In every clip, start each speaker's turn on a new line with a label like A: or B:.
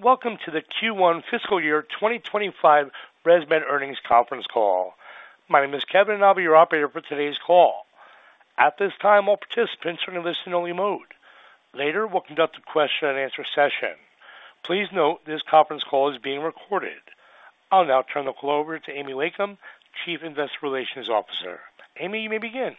A: Hello, and welcome to the Q1 fiscal year 2025 ResMed earnings conference call. My name is Kevin, and I'll be your operator for today's call. At this time, all participants are in a listen-only mode. Later, we'll conduct a question-and-answer session. Please note, this conference call is being recorded. I'll now turn the call over to Amy Wakeham, Chief Investor Relations Officer. Amy, you may begin.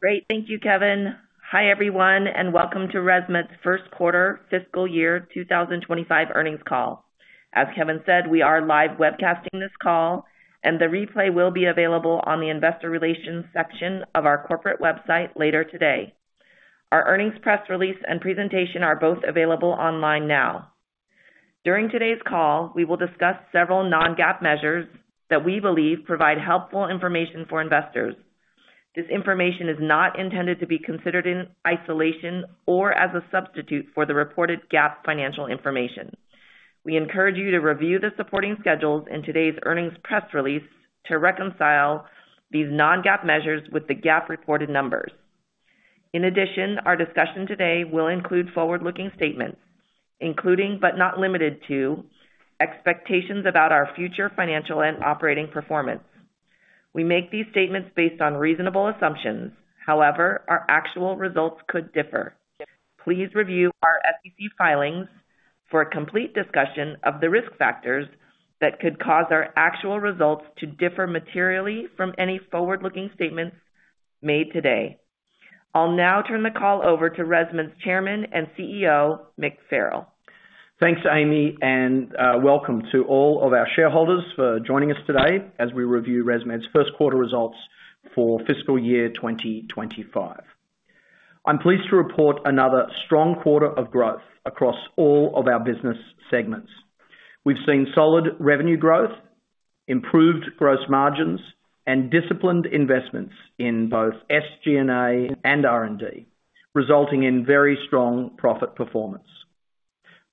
B: Great. Thank you, Kevin. Hi, everyone, and welcome to ResMed's first quarter fiscal year two thousand and twenty-five earnings call. As Kevin said, we are live webcasting this call, and the replay will be available on the investor relations section of our corporate website later today. Our earnings press release and presentation are both available online now. During today's call, we will discuss several non-GAAP measures that we believe provide helpful information for investors. This information is not intended to be considered in isolation or as a substitute for the reported GAAP financial information. We encourage you to review the supporting schedules in today's earnings press release to reconcile these non-GAAP measures with the GAAP reported numbers. In addition, our discussion today will include forward-looking statements, including but not limited to expectations about our future financial and operating performance. We make these statements based on reasonable assumptions. However, our actual results could differ. Please review our SEC filings for a complete discussion of the risk factors that could cause our actual results to differ materially from any forward-looking statements made today. I'll now turn the call over to ResMed's Chairman and CEO, Mick Farrell.
C: Thanks, Amy, and welcome to all of our shareholders for joining us today as we review ResMed's first quarter results for fiscal year 2025. I'm pleased to report another strong quarter of growth across all of our business segments. We've seen solid revenue growth, improved gross margins, and disciplined investments in both SG&A and R&D, resulting in very strong profit performance.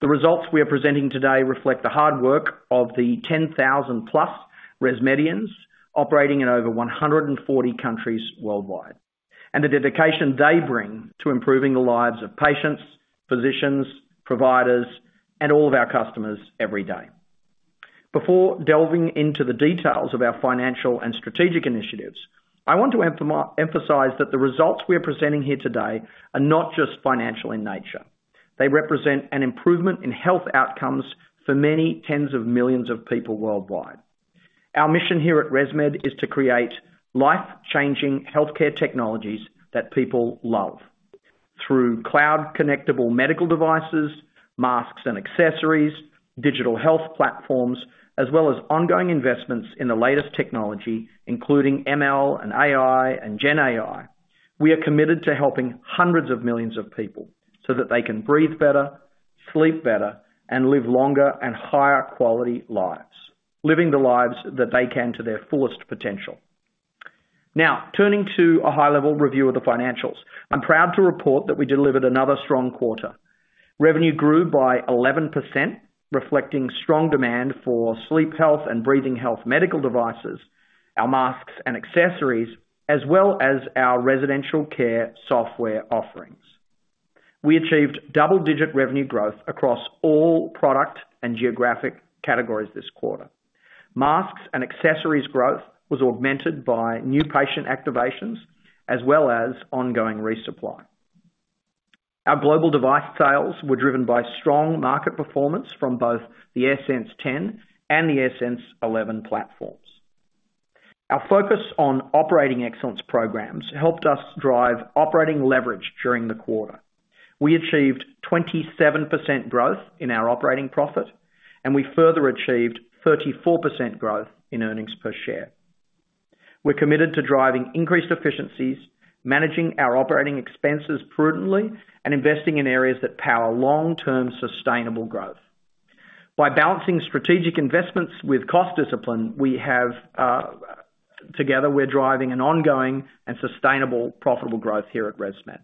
C: The results we are presenting today reflect the hard work of the 10,000-plus ResMedians operating in over 140 countries worldwide, and the dedication they bring to improving the lives of patients, physicians, providers, and all of our customers every day. Before delving into the details of our financial and strategic initiatives, I want to emphasize that the results we are presenting here today are not just financial in nature. They represent an improvement in health outcomes for many tens of millions of people worldwide. Our mission here at ResMed is to create life-changing healthcare technologies that people love. Through cloud-connectable medical devices, masks and accessories, digital health platforms, as well as ongoing investments in the latest technology, including ML and AI and GenAI, we are committed to helping hundreds of millions of people so that they can breathe better, sleep better, and live longer and higher quality lives, living the lives that they can to their fullest potential. Now, turning to a high-level review of the financials. I'm proud to report that we delivered another strong quarter. Revenue grew by 11%, reflecting strong demand for sleep health and breathing health medical devices, our masks and accessories, as well as our residential care software offerings. We achieved double-digit revenue growth across all product and geographic categories this quarter. Masks and accessories growth was augmented by new patient activations as well as ongoing resupply. Our global device sales were driven by strong market performance from both the AirSense 10 and the AirSense 11 platforms. Our focus on operating excellence programs helped us drive operating leverage during the quarter. We achieved 27% growth in our operating profit, and we further achieved 34% growth in earnings per share. We're committed to driving increased efficiencies, managing our operating expenses prudently, and investing in areas that power long-term sustainable growth. By balancing strategic investments with cost discipline, we have, together, we're driving an ongoing and sustainable, profitable growth here at ResMed.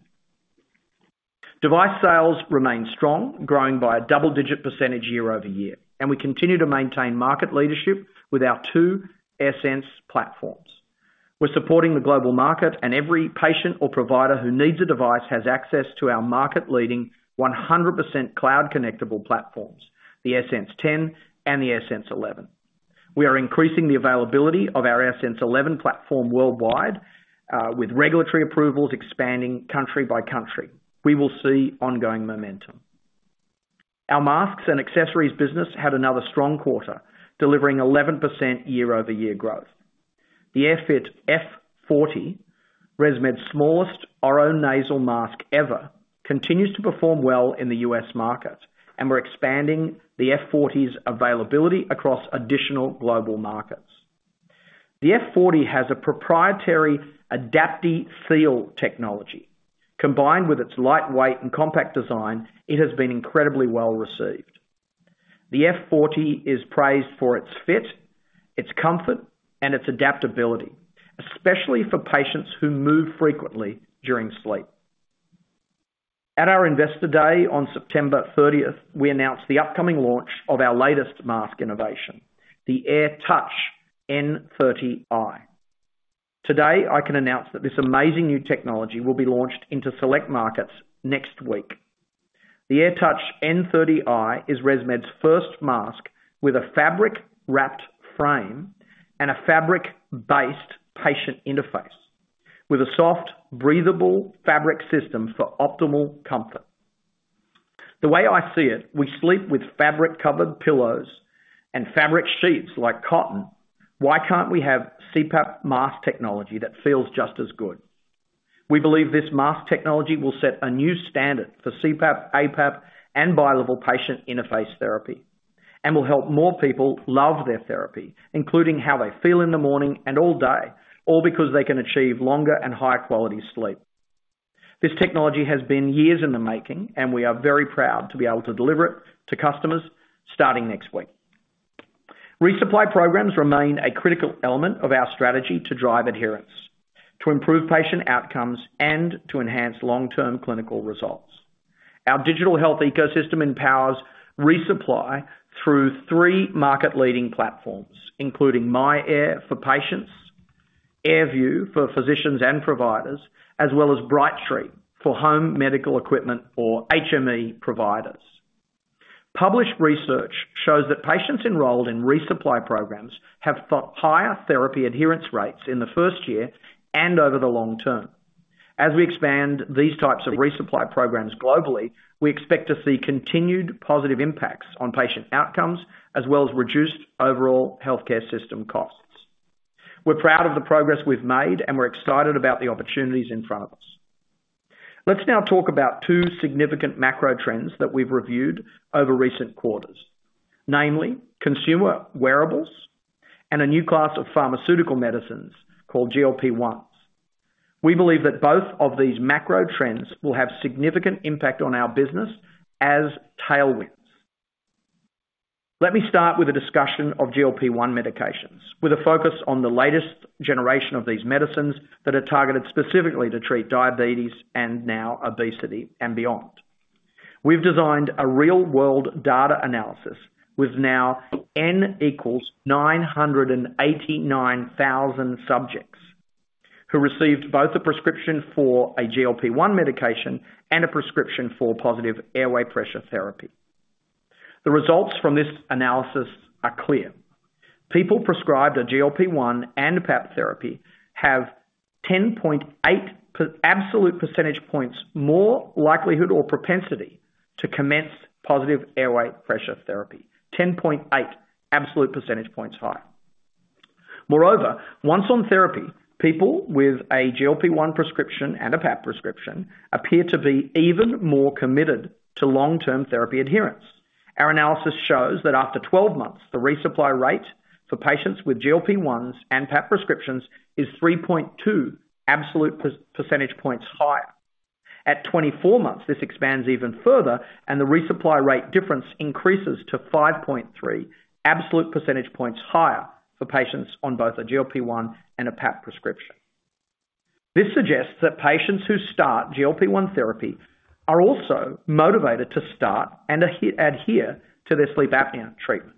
C: Device sales remain strong, growing by a double-digit percentage year over year, and we continue to maintain market leadership with our two AirSense platforms. We're supporting the global market, and every patient or provider who needs a device has access to our market-leading 100% cloud-connectable platforms, the AirSense 10 and the AirSense 11. We are increasing the availability of our AirSense 11 platform worldwide with regulatory approvals expanding country by country. We will see ongoing momentum. Our masks and accessories business had another strong quarter, delivering 11% year-over-year growth. The AirFit F40, ResMed's smallest oro-nasal mask ever, continues to perform well in the U.S. market, and we're expanding the F40's availability across additional global markets. The F40 has a proprietary AdaptiFeel technology. Combined with its lightweight and compact design, it has been incredibly well received. The F40 is praised for its fit, its comfort, and its adaptability, especially for patients who move frequently during sleep. At our Investor Day on September thirtieth, we announced the upcoming launch of our latest mask innovation, the AirTouch N30i. Today, I can announce that this amazing new technology will be launched into select markets next week. The AirTouch N30i is ResMed's first mask with a fabric-wrapped frame and a fabric-based patient interface, with a soft, breathable fabric system for optimal comfort. The way I see it, we sleep with fabric-covered pillows and fabric sheets like cotton. Why can't we have CPAP mask technology that feels just as good? We believe this mask technology will set a new standard for CPAP, APAP, and bilevel patient interface therapy, and will help more people love their therapy, including how they feel in the morning and all day, all because they can achieve longer and higher quality sleep. This technology has been years in the making, and we are very proud to be able to deliver it to customers starting next week. Resupply programs remain a critical element of our strategy to drive adherence, to improve patient outcomes, and to enhance long-term clinical results. Our digital health ecosystem empowers resupply through three market-leading platforms, including myAir for patients, AirView for physicians and providers, as well as Brightree for home medical equipment or HME providers. Published research shows that patients enrolled in resupply programs have got higher therapy adherence rates in the first year and over the long term. As we expand these types of resupply programs globally, we expect to see continued positive impacts on patient outcomes, as well as reduced overall healthcare system costs. We're proud of the progress we've made, and we're excited about the opportunities in front of us. Let's now talk about two significant macro trends that we've reviewed over recent quarters, namely consumer wearables and a new class of pharmaceutical medicines called GLP-1s. We believe that both of these macro trends will have significant impact on our business as tailwinds. Let me start with a discussion of GLP-1 medications, with a focus on the latest generation of these medicines that are targeted specifically to treat diabetes and now obesity and beyond. We've designed a real-world data analysis with now N equals nine hundred and eighty-nine thousand subjects, who received both a prescription for a GLP-1 medication and a prescription for positive airway pressure therapy. The results from this analysis are clear. People prescribed a GLP-1 and APAP therapy have ten point eight absolute percentage points more likelihood or propensity to commence positive airway pressure therapy. Ten point eight absolute percentage points higher. Moreover, once on therapy, people with a GLP-1 prescription and APAP prescription appear to be even more committed to long-term therapy adherence. Our analysis shows that after twelve months, the resupply rate for patients with GLP-1s and PAP prescriptions is three point two absolute percentage points higher. At twenty-four months, this expands even further, and the resupply rate difference increases to five point three absolute percentage points higher for patients on both a GLP-1 and APAP prescription. This suggests that patients who start GLP-1 therapy are also motivated to start and adhere to their sleep apnea treatment.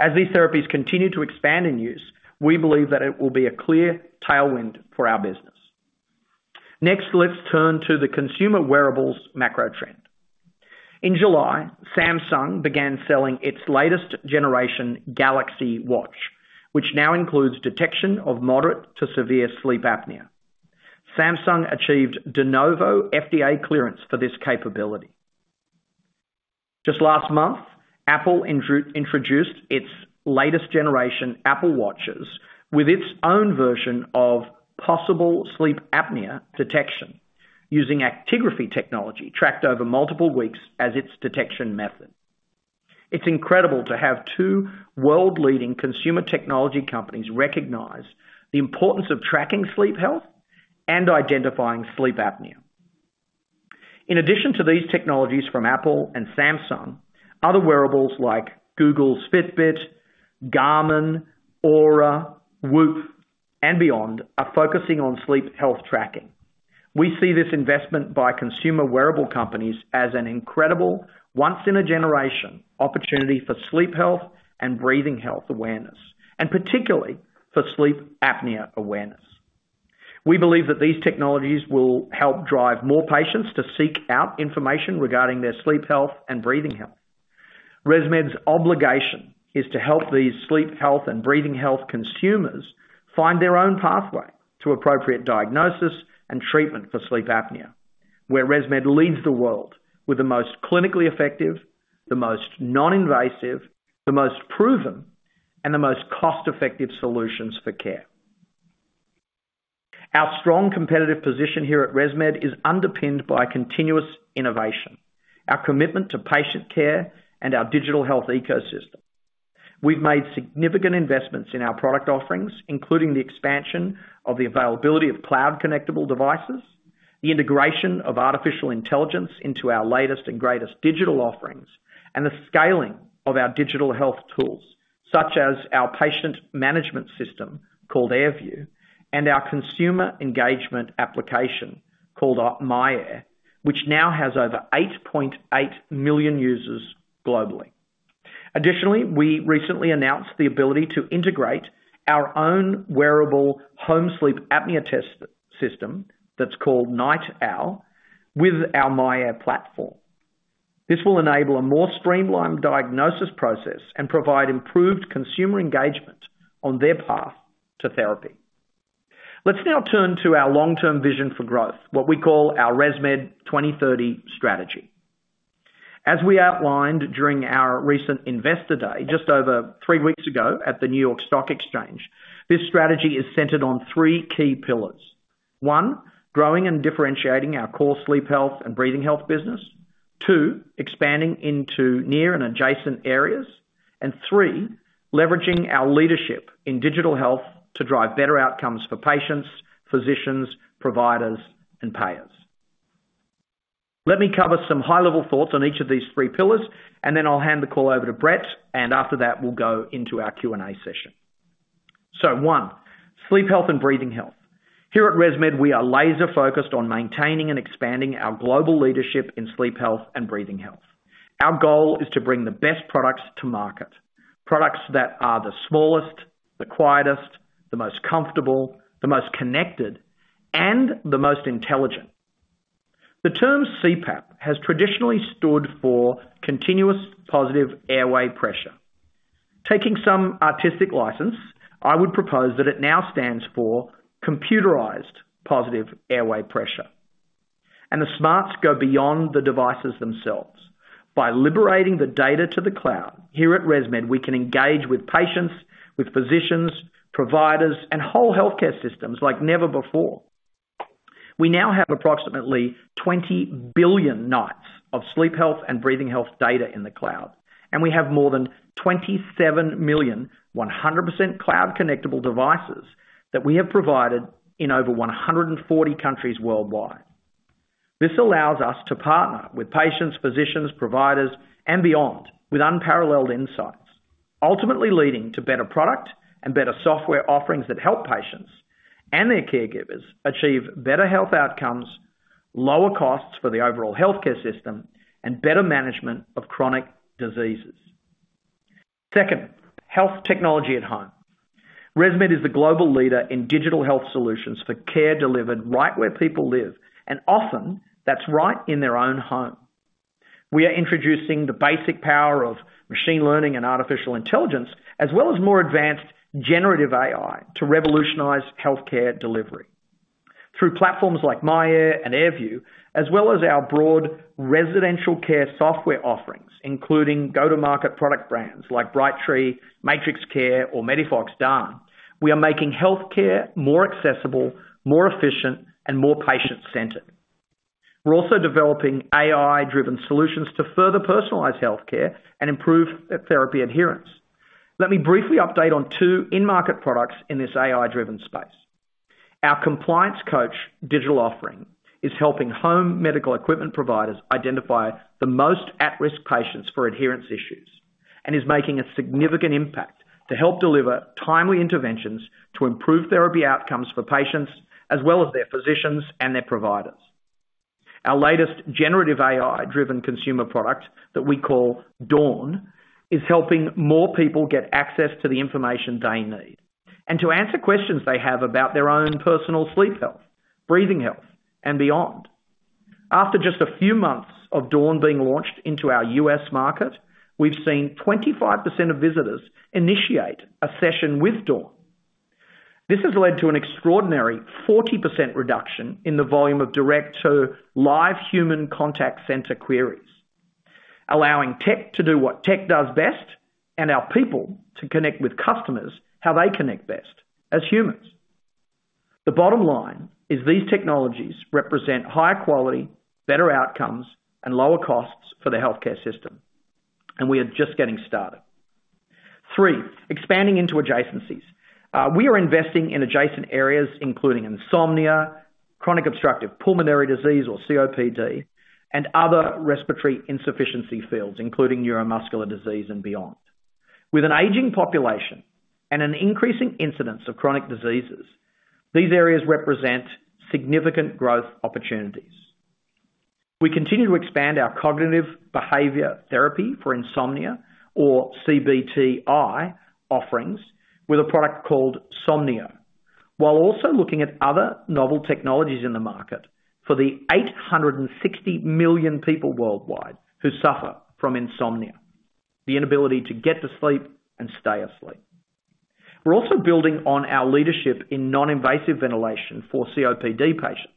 C: As these therapies continue to expand in use, we believe that it will be a clear tailwind for our business. Next, let's turn to the consumer wearables macro trend. In July, Samsung began selling its latest generation Galaxy Watch, which now includes detection of moderate to severe sleep apnea. Samsung achieved De novo FDA clearance for this capability. Just last month, Apple introduced its latest generation Apple Watches with its own version of possible sleep apnea detection, using actigraphy technology tracked over multiple weeks as its detection method. It's incredible to have two world-leading consumer technology companies recognize the importance of tracking sleep health and identifying sleep apnea. In addition to these technologies from Apple and Samsung, other wearables like Google, Fitbit, Garmin, Oura, Whoop, and beyond, are focusing on sleep health tracking. We see this investment by consumer wearable companies as an incredible once-in-a-generation opportunity for sleep, health, and breathing health awareness, and particularly for sleep apnea awareness. We believe that these technologies will help drive more patients to seek out information regarding their sleep health and breathing health. ResMed's obligation is to help these sleep health and breathing health consumers find their own pathway to appropriate diagnosis and treatment for sleep apnea, where ResMed leads the world with the most clinically effective, the most non-invasive, the most proven, and the most cost-effective solutions for care. Our strong competitive position here at ResMed is underpinned by continuous innovation, our commitment to patient care, and our digital health ecosystem. We've made significant investments in our product offerings, including the expansion of the availability of cloud connectable devices, the integration of artificial intelligence into our latest and greatest digital offerings, and the scaling of our digital health tools, such as our patient management system called AirView, and our consumer engagement application called myAir, which now has over 8.8 million users globally. Additionally, we recently announced the ability to integrate our own wearable home sleep apnea test system, that's called NightOwl, with our myAir platform. This will enable a more streamlined diagnosis process and provide improved consumer engagement on their path to therapy. Let's now turn to our long-term vision for growth, what we call our ResMed 2030 strategy. As we outlined during our recent Investor Day, just over three weeks ago at the New York Stock Exchange, this strategy is centered on three key pillars. One, growing and differentiating our core sleep health and breathing health business. Two, expanding into near and adjacent areas. Three, leveraging our leadership in digital health to drive better outcomes for patients, physicians, providers, and payers. Let me cover some high-level thoughts on each of these three pillars, and then I'll hand the call over to Brett, and after that, we'll go into our Q&A session, so one, sleep health and breathing health. Here at ResMed, we are laser focused on maintaining and expanding our global leadership in sleep health and breathing health. Our goal is to bring the best products to market, products that are the smallest, the quietest, the most comfortable, the most connected, and the most intelligent. The term CPAP has traditionally stood for Continuous Positive Airway Pressure. Taking some artistic license, I would propose that it now stands for Computerized Positive Airway Pressure, and the smarts go beyond the devices themselves. By liberating the data to the cloud, here at ResMed, we can engage with patients, with physicians, providers, and whole healthcare systems like never before. We now have approximately 20 billion nights of sleep health and breathing health data in the cloud, and we have more than 27 million, 100% cloud connectable devices that we have provided in over 140 countries worldwide. This allows us to partner with patients, physicians, providers, and beyond, with unparalleled insights, ultimately leading to better product and better software offerings that help patients and their caregivers achieve better health outcomes, lower costs for the overall healthcare system, and better management of chronic diseases. Second, health technology at home. ResMed is the global leader in digital health solutions for care delivered right where people live, and often, that's right in their own home. We are introducing the basic power of machine learning and artificial intelligence, as well as more advanced generative AI, to revolutionize healthcare delivery. Through platforms like myAir and AirView, as well as our broad residential care software offerings, including go-to-market product brands like Brightree, MatrixCare, or MEDIFOX DAN. We are making healthcare more accessible, more efficient, and more patient-centered. We're also developing AI-driven solutions to further personalize healthcare and improve therapy adherence. Let me briefly update on two in-market products in this AI-driven space. Our Compliance Coach digital offering is helping home medical equipment providers identify the most at-risk patients for adherence issues, and is making a significant impact to help deliver timely interventions to improve therapy outcomes for patients, as well as their physicians and their providers. Our latest generative AI-driven consumer product, that we call DAWN, is helping more people get access to the information they need, and to answer questions they have about their own personal sleep health, breathing health, and beyond. After just a few months of DAWN being launched into our U.S. market, we've seen 25% of visitors initiate a session with DAWN. This has led to an extraordinary 40% reduction in the volume of direct to live human contact center queries, allowing tech to do what tech does best and our people to connect with customers how they connect best, as humans. The bottom line is these technologies represent higher quality, better outcomes, and lower costs for the healthcare system, and we are just getting started. Three, expanding into adjacencies. We are investing in adjacent areas including insomnia, chronic obstructive pulmonary disease or COPD, and other respiratory insufficiency fields, including neuromuscular disease and beyond. With an aging population and an increasing incidence of chronic diseases, these areas represent significant growth opportunities. We continue to expand our cognitive behavior therapy for insomnia or CBTi offerings with a product called Somnio, while also looking at other novel technologies in the market for the 860 million people worldwide who suffer from insomnia, the inability to get to sleep and stay asleep. We're also building on our leadership in non-invasive ventilation for COPD patients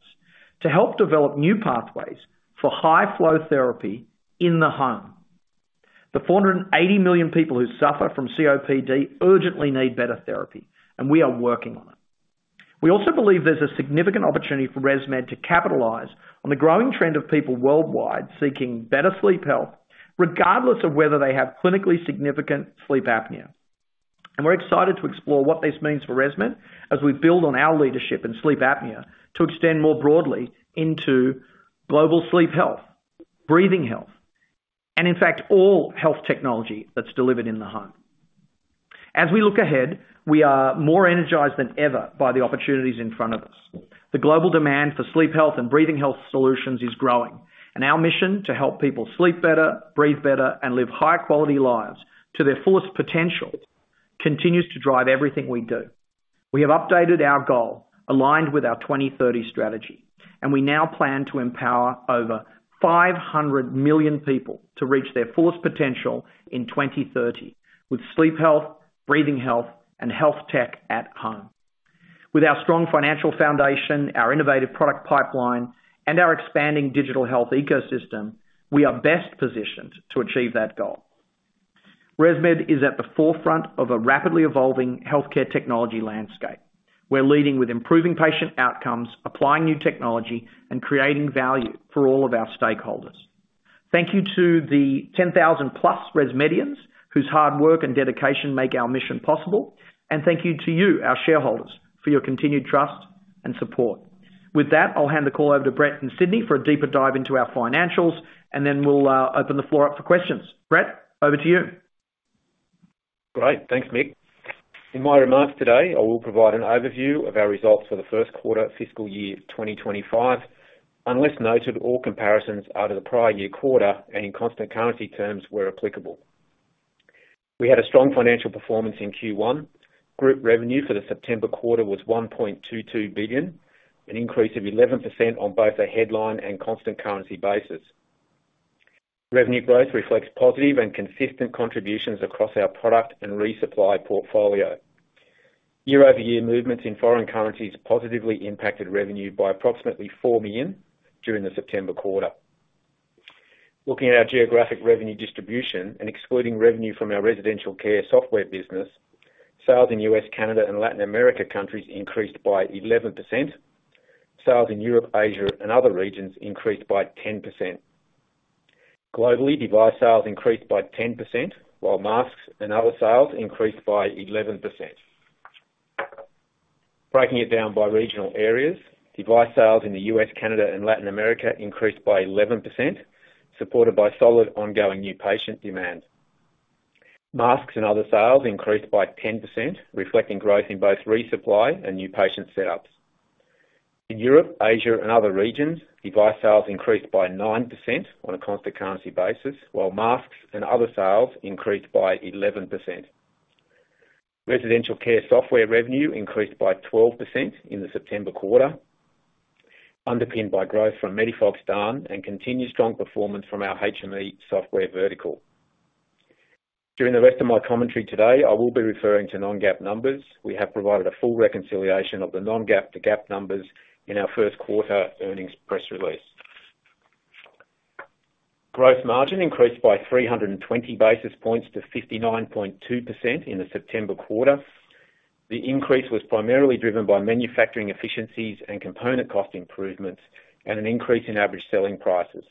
C: to help develop new pathways for high flow therapy in the home. The 480 million people who suffer from COPD urgently need better therapy, and we are working on it. We also believe there's a significant opportunity for ResMed to capitalize on the growing trend of people worldwide seeking better sleep health, regardless of whether they have clinically significant sleep apnea. We're excited to explore what this means for ResMed as we build on our leadership in sleep apnea to extend more broadly into global sleep health, breathing health, and in fact, all health technology that's delivered in the home. As we look ahead, we are more energized than ever by the opportunities in front of us. The global demand for sleep health and breathing health solutions is growing, and our mission to help people sleep better, breathe better, and live high quality lives to their fullest potential, continues to drive everything we do. We have updated our goal, aligned with our 2030 strategy, and we now plan to empower over 500 million people to reach their fullest potential in 2030, with sleep health, breathing health, and health tech at home. With our strong financial foundation, our innovative product pipeline, and our expanding digital health ecosystem, we are best positioned to achieve that goal. ResMed is at the forefront of a rapidly evolving healthcare technology landscape. We're leading with improving patient outcomes, applying new technology, and creating value for all of our stakeholders. Thank you to the ten thousand plus ResMedians, whose hard work and dedication make our mission possible. And thank you to you, our shareholders, for your continued trust and support. With that, I'll hand the call over to Brett and Sydney for a deeper dive into our financials, and then we'll open the floor up for questions. Brett, over to you.
D: Great! Thanks, Mick. In my remarks today, I will provide an overview of our results for the first quarter fiscal year twenty twenty-five. Unless noted, all comparisons are to the prior year quarter and in constant currency terms, where applicable. We had a strong financial performance in Q1. Group revenue for the September quarter was $1.22 billion, an increase of 11% on both a headline and constant currency basis. Revenue growth reflects positive and consistent contributions across our product and resupply portfolio. Year-over-year movements in foreign currencies positively impacted revenue by approximately $4 million during the September quarter. Looking at our geographic revenue distribution and excluding revenue from our residential care software business, sales in U.S., Canada, and Latin America countries increased by 11%. Sales in Europe, Asia, and other regions increased by 10%. Globally, device sales increased by 10%, while masks and other sales increased by 11%. Breaking it down by regional areas, device sales in the US, Canada, and Latin America increased by 11%, supported by solid ongoing new patient demand. Masks and other sales increased by 10%, reflecting growth in both resupply and new patient setups. In Europe, Asia, and other regions, device sales increased by 9% on a constant currency basis, while masks and other sales increased by 11%. Residential care software revenue increased by 12% in the September quarter, underpinned by growth from Medifox Dan and continued strong performance from our HME software vertical. During the rest of my commentary today, I will be referring to non-GAAP numbers. We have provided a full reconciliation of the non-GAAP to GAAP numbers in our first quarter earnings press release. Gross margin increased by 320 basis points to 59.2% in the September quarter. The increase was primarily driven by manufacturing efficiencies and component cost improvements, and an increase in average selling prices.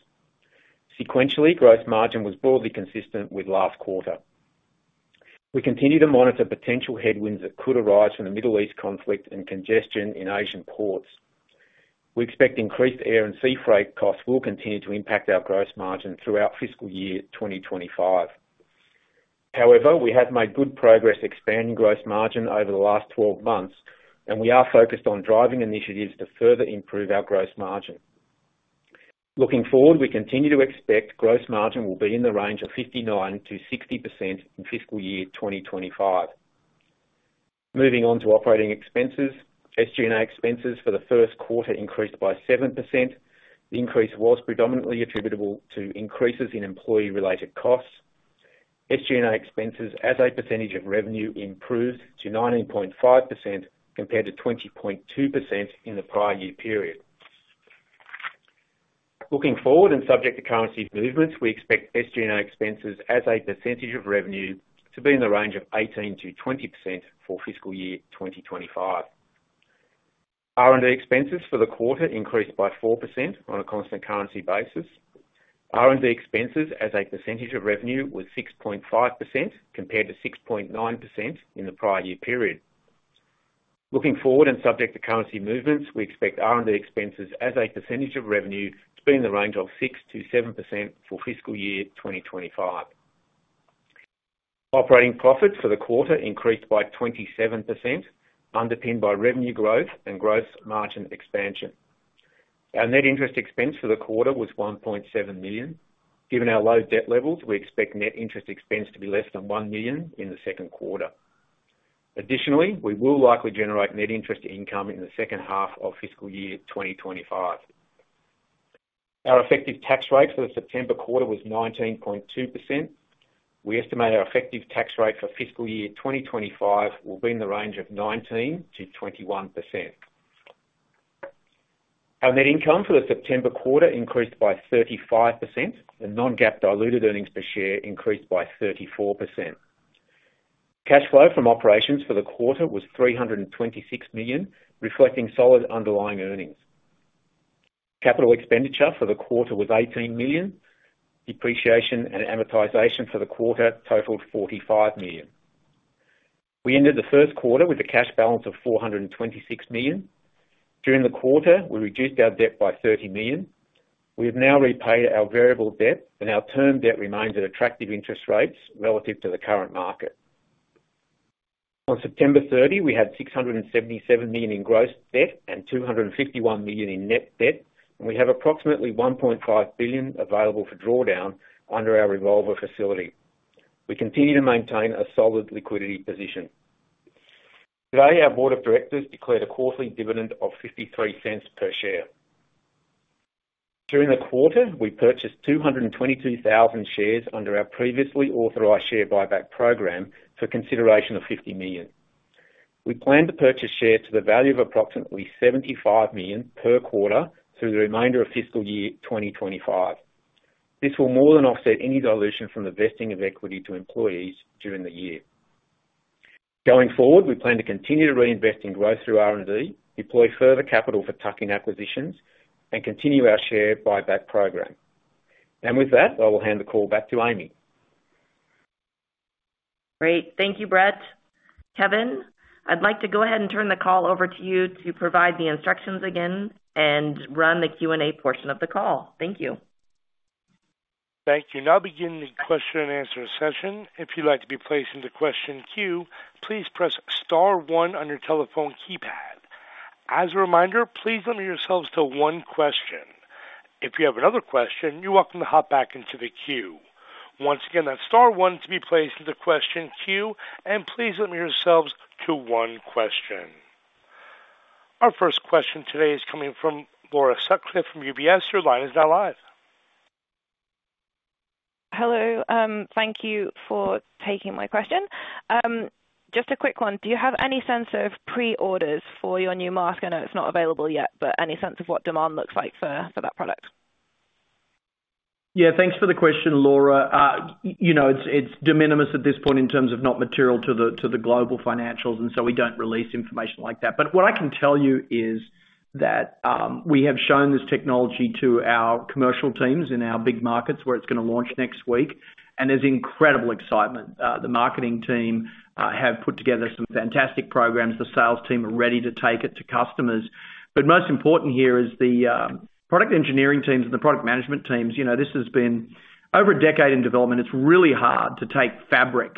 D: Sequentially, gross margin was broadly consistent with last quarter. We continue to monitor potential headwinds that could arise from the Middle East conflict and congestion in Asian ports. We expect increased air and sea freight costs will continue to impact our gross margin throughout fiscal year 2025. However, we have made good progress expanding gross margin over the last 12 months, and we are focused on driving initiatives to further improve our gross margin. Looking forward, we continue to expect gross margin will be in the range of 59%-60% in fiscal year 2025. Moving on to operating expenses. SG&A expenses for the first quarter increased by 7%. The increase was predominantly attributable to increases in employee-related costs. SG&A expenses as a percentage of revenue improved to 19.5%, compared to 20.2% in the prior year period. Looking forward, and subject to currency movements, we expect SG&A expenses as a percentage of revenue to be in the range of 18%-20% for fiscal year 2025. R&D expenses for the quarter increased by 4% on a constant currency basis. R&D expenses as a percentage of revenue was 6.5%, compared to 6.9% in the prior year period. Looking forward, and subject to currency movements, we expect R&D expenses as a percentage of revenue to be in the range of 6%-7% for fiscal year 2025. Operating profits for the quarter increased by 27%, underpinned by revenue growth and gross margin expansion. Our net interest expense for the quarter was $1.7 million. Given our low debt levels, we expect net interest expense to be less than $1 million in the second quarter. Additionally, we will likely generate net interest income in the second half of fiscal year 2025. Our effective tax rate for the September quarter was 19.2%. We estimate our effective tax rate for fiscal year 2025 will be in the range of 19%-21%. Our net income for the September quarter increased by 35%, and non-GAAP diluted earnings per share increased by 34%. Cash flow from operations for the quarter was $326 million, reflecting solid underlying earnings. Capital expenditure for the quarter was $18 million. Depreciation and amortization for the quarter totaled $45 million. We ended the first quarter with a cash balance of $426 million. ...During the quarter, we reduced our debt by $30 million. We have now repaid our variable debt, and our term debt remains at attractive interest rates relative to the current market. On September 30, we had $677 million in gross debt and $251 million in net debt, and we have approximately $1.5 billion available for drawdown under our revolver facility. We continue to maintain a solid liquidity position. Today, our board of directors declared a quarterly dividend of $0.53 per share. During the quarter, we purchased 222,000 shares under our previously authorized share buyback program for consideration of $50 million. We plan to purchase shares to the value of approximately $75 million per quarter through the remainder of fiscal year 2025. This will more than offset any dilution from the vesting of equity to employees during the year. Going forward, we plan to continue to reinvest in growth through R&D, deploy further capital for tuck-in acquisitions, and continue our share buyback program. And with that, I will hand the call back to Amy.
B: Great. Thank you, Brett. Kevin, I'd like to go ahead and turn the call over to you to provide the instructions again and run the Q&A portion of the call. Thank you.
A: Thank you. Now beginning the question and answer session. If you'd like to be placed into question queue, please press star one on your telephone keypad. As a reminder, please limit yourselves to one question. If you have another question, you're welcome to hop back into the queue. Once again, that's star one to be placed in the question queue, and please limit yourselves to one question. Our first question today is coming from Laura Sutcliffe from UBS. Your line is now live.
E: Hello, thank you for taking my question. Just a quick one: Do you have any sense of pre-orders for your new mask? I know it's not available yet, but any sense of what demand looks like for that product?
C: Yeah, thanks for the question, Laura. You know, it's de minimis at this point in terms of not material to the global financials, and so we don't release information like that. But what I can tell you is that we have shown this technology to our commercial teams in our big markets, where it's gonna launch next week, and there's incredible excitement. The marketing team have put together some fantastic programs. The sales team are ready to take it to customers. But most important here is the product engineering teams and the product management teams. You know, this has been over a decade in development. It's really hard to take fabric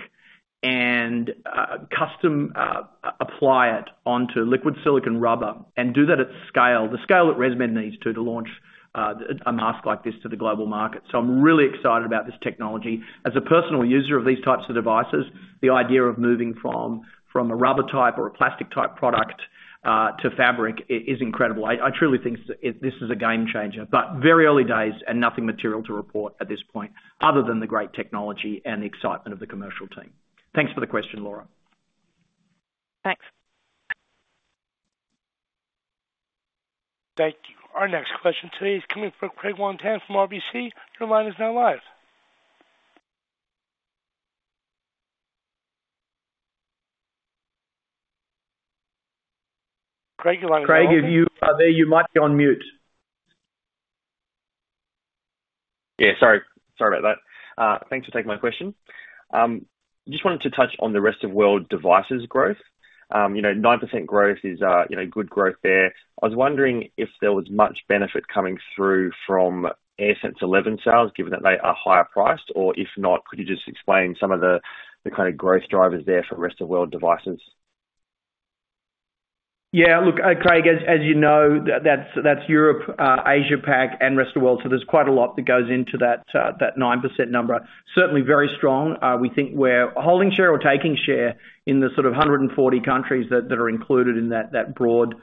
C: and custom apply it onto liquid silicone rubber and do that at scale, the scale that ResMed needs to launch a mask like this to the global market. So I'm really excited about this technology. As a personal user of these types of devices, the idea of moving from a rubber type or a plastic type product to fabric is incredible. I truly think this is a game changer, but very early days and nothing material to report at this point, other than the great technology and the excitement of the commercial team. Thanks for the question, Laura.
E: Thanks.
A: Thank you. Our next question today is coming from Craig Wong-Pan from RBC. Your line is now live. Craig, you're on-
C: Craig, if you are there, you might be on mute.
F: Yeah, sorry. Sorry about that. Thanks for taking my question. Just wanted to touch on the rest of world devices growth. You know, 9% growth is, you know, good growth there. I was wondering if there was much benefit coming through from AirSense 11 sales, given that they are higher priced, or if not, could you just explain some of the kind of growth drivers there for rest of world devices?
C: Yeah, look, Craig, as you know, that's Europe, Asia Pac, and rest of world, so there's quite a lot that goes into that 9% number. Certainly very strong. We think we're holding share or taking share in the sort of 140 countries that are included in that broad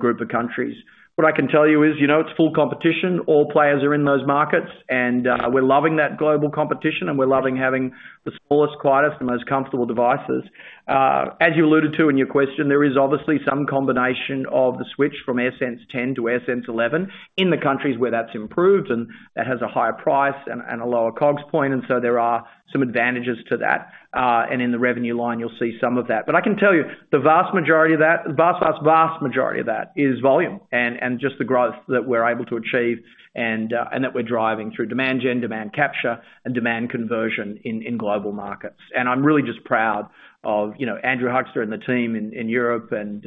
C: group of countries. What I can tell you is, you know, it's full competition. All players are in those markets, and we're loving that global competition, and we're loving having the smallest, quietest, the most comfortable devices. As you alluded to in your question, there is obviously some combination of the switch from AirSense 10 to AirSense 11 in the countries where that's improved, and that has a higher price and a lower COGS point, and so there are some advantages to that. And in the revenue line, you'll see some of that. But I can tell you, the vast majority of that, the vast, vast, vast majority of that is volume and just the growth that we're able to achieve and that we're driving through demand gen, demand capture, and demand conversion in global markets. And I'm really just proud of, you know, Andrew Huxter and the team in Europe and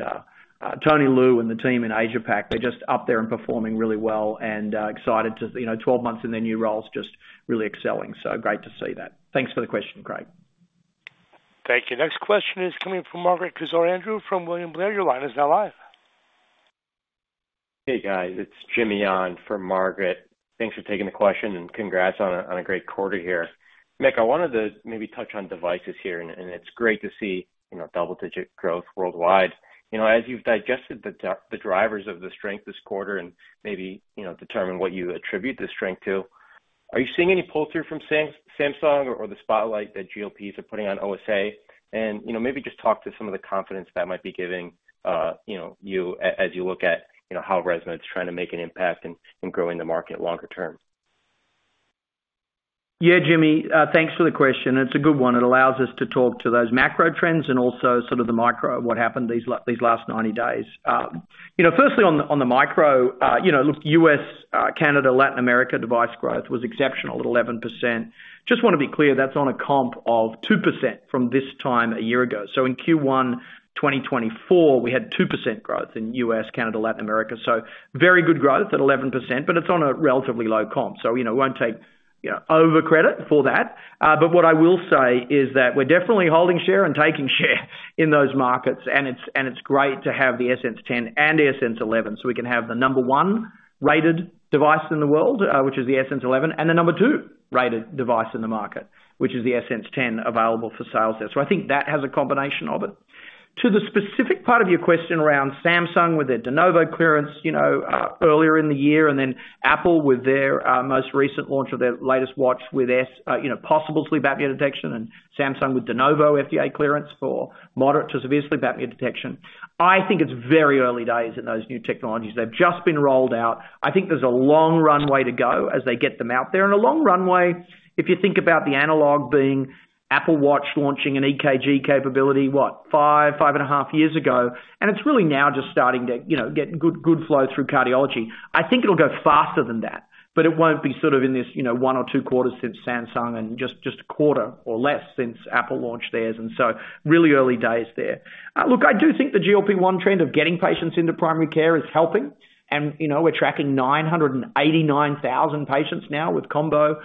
C: Tony Lu and the team in Asia Pac. They're just up there and performing really well and excited to, you know, twelve months in their new roles, just really excelling. So great to see that. Thanks for the question, Craig.
A: Thank you. Next question is coming from Margaret Kaczor Andrew from William Blair. Your line is now live.
G: Hey, guys. It's Jimmy Gong from Margaret. Thanks for taking the question, and congrats on a great quarter here. Mick, I wanted to maybe touch on devices here, and it's great to see, you know, double-digit growth worldwide. You know, as you've digested the drivers of the strength this quarter and maybe, you know, determine what you attribute the strength to, are you seeing any pull-through from Samsung or the spotlight that GLPs are putting on OSA? And, you know, maybe just talk to some of the confidence that might be giving you as you look at, you know, how ResMed's trying to make an impact in growing the market longer term....
C: Yeah, Jimmy, thanks for the question. It's a good one. It allows us to talk to those macro trends and also sort of the micro, what happened these last 90 days. You know, firstly, on the micro, you know, look, US, Canada, Latin America, device growth was exceptional at 11%. Just wanna be clear, that's on a comp of 2% from this time a year ago. So in Q1, 2024, we had 2% growth in US, Canada, Latin America. So very good growth at 11%, but it's on a relatively low comp. So, you know, won't take, you know, over credit for that. But what I will say is that we're definitely holding share and taking share in those markets, and it's, and it's great to have the AirSense 10 and the AirSense 11. So we can have the number one-rated device in the world, which is the AirSense 11, and the number two-rated device in the market, which is the AirSense 10, available for sales there. So I think that has a combination of it. To the specific part of your question around Samsung with their de novo clearance, you know, earlier in the year, and then Apple with their most recent launch of their latest watch with you know, possible sleep apnea detection, and Samsung with de novo FDA clearance for moderate to severe sleep apnea detection. I think it's very early days in those new technologies. They've just been rolled out. I think there's a long runway to go as they get them out there. And a long runway, if you think about the analog being Apple Watch launching an EKG capability, what? Five, five and a half years ago, and it's really now just starting to, you know, get good flow through cardiology. I think it'll go faster than that, but it won't be sort of in this, you know, one or two quarters since Samsung and just a quarter or less since Apple launched theirs, and so really early days there. Look, I do think the GLP-1 trend of getting patients into primary care is helping. And, you know, we're tracking nine hundred and eighty-nine thousand patients now with combo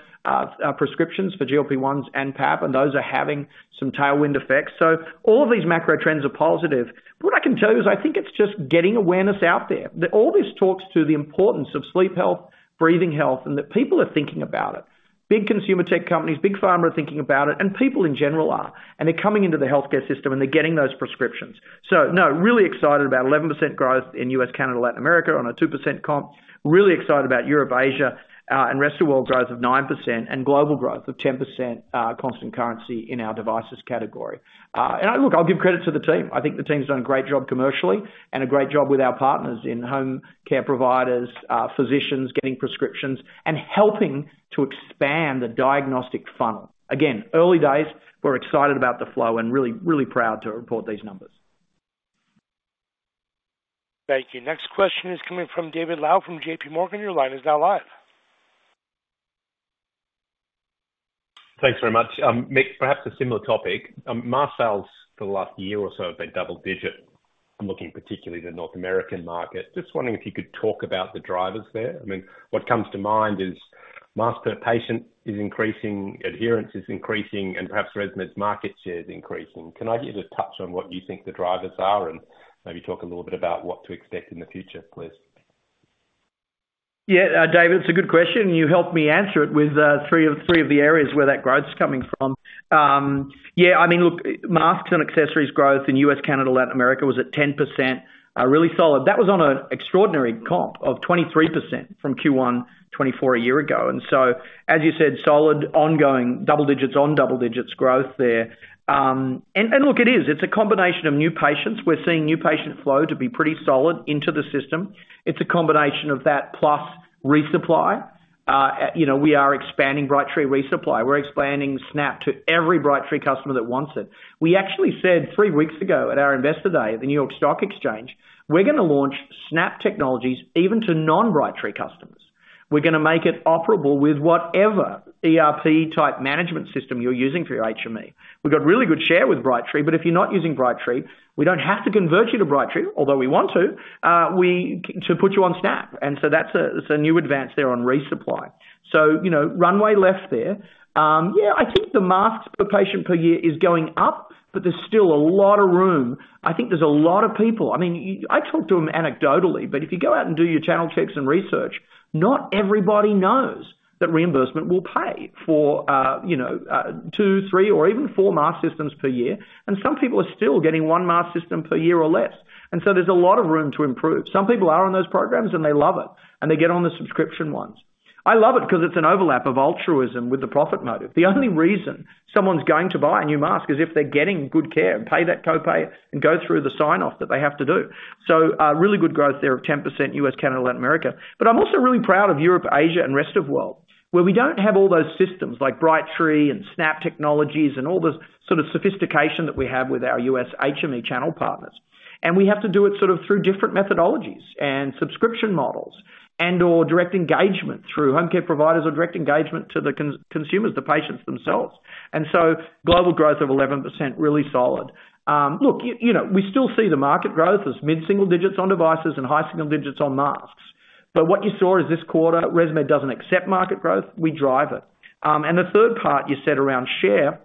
C: prescriptions for GLP-1s and PAP, and those are having some tailwind effects. So all of these macro trends are positive. But what I can tell you is, I think it's just getting awareness out there. That all this talks to the importance of sleep health, breathing health, and that people are thinking about it. Big consumer tech companies, big pharma are thinking about it, and people in general are. And they're coming into the healthcare system, and they're getting those prescriptions. So no, really excited about 11% growth in US, Canada, Latin America, on a 2% comp. Really excited about Europe, Asia, and rest of world growth of 9% and global growth of 10%, constant currency in our devices category. And look, I'll give credit to the team. I think the team's done a great job commercially and a great job with our partners in home care providers, physicians, getting prescriptions and helping to expand the diagnostic funnel. Again, early days, we're excited about the flow and really, really proud to report these numbers.
A: Thank you. Next question is coming from David Low, from J.P. Morgan. Your line is now live.
H: Thanks very much. Mick, perhaps a similar topic. Masks for the last year or so have been double digit. I'm looking particularly the North American market. Just wondering if you could talk about the drivers there. I mean, what comes to mind is mask per patient is increasing, adherence is increasing, and perhaps ResMed's market share is increasing. Can I get a touch on what you think the drivers are, and maybe talk a little bit about what to expect in the future, please?
C: Yeah, David, it's a good question. You helped me answer it with three of the areas where that growth is coming from. Yeah, I mean, look, masks and accessories growth in US, Canada, Latin America was at 10%, really solid. That was on an extraordinary comp of 23% from Q1 2024 a year ago. And so, as you said, solid, ongoing double digits on double digits growth there. And look, it is. It's a combination of new patients. We're seeing new patient flow to be pretty solid into the system. It's a combination of that plus resupply. You know, we are expanding Brightree resupply. We're expanding Snap to every Brightree customer that wants it. We actually said three weeks ago at our Investor Day at the New York Stock Exchange, we're gonna launch Snap technologies even to non-Brightree customers. We're gonna make it operable with whatever ERP-type management system you're using for your HME. We've got really good share with Brightree, but if you're not using Brightree, we don't have to convert you to Brightree, although we want to put you on Snap. And so that's a new advance there on resupply. So, you know, runway left there. Yeah, I think the masks per patient per year is going up, but there's still a lot of room. I think there's a lot of people. I mean, I talk to them anecdotally, but if you go out and do your channel checks and research, not everybody knows that reimbursement will pay for, you know, two, three, or even four mask systems per year, and some people are still getting one mask system per year or less. And so there's a lot of room to improve. Some people are on those programs, and they love it, and they get on the subscription ones. I love it because it's an overlap of altruism with the profit motive. The only reason someone's going to buy a new mask is if they're getting good care and pay that copay and go through the sign-off that they have to do. So, really good growth there of 10%, U.S., Canada, Latin America. But I'm also really proud of Europe, Asia, and rest of world, where we don't have all those systems like Brightree and Snap technologies and all the sort of sophistication that we have with our U.S. HME channel partners. And we have to do it sort of through different methodologies and subscription models, and/or direct engagement through homecare providers or direct engagement to the consumers, the patients themselves. And so global growth of 11%, really solid. Look, you know, we still see the market growth as mid-single digits on devices and high single digits on masks. But what you saw is this quarter, ResMed doesn't accept market growth, we drive it. And the third part you said around share.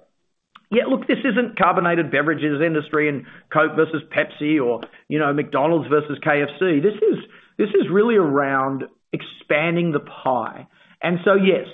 C: Yeah, look, this isn't carbonated beverages industry and Coke versus Pepsi or, you know, McDonald's versus KFC. This is, this is really around expanding the pie. And so yes,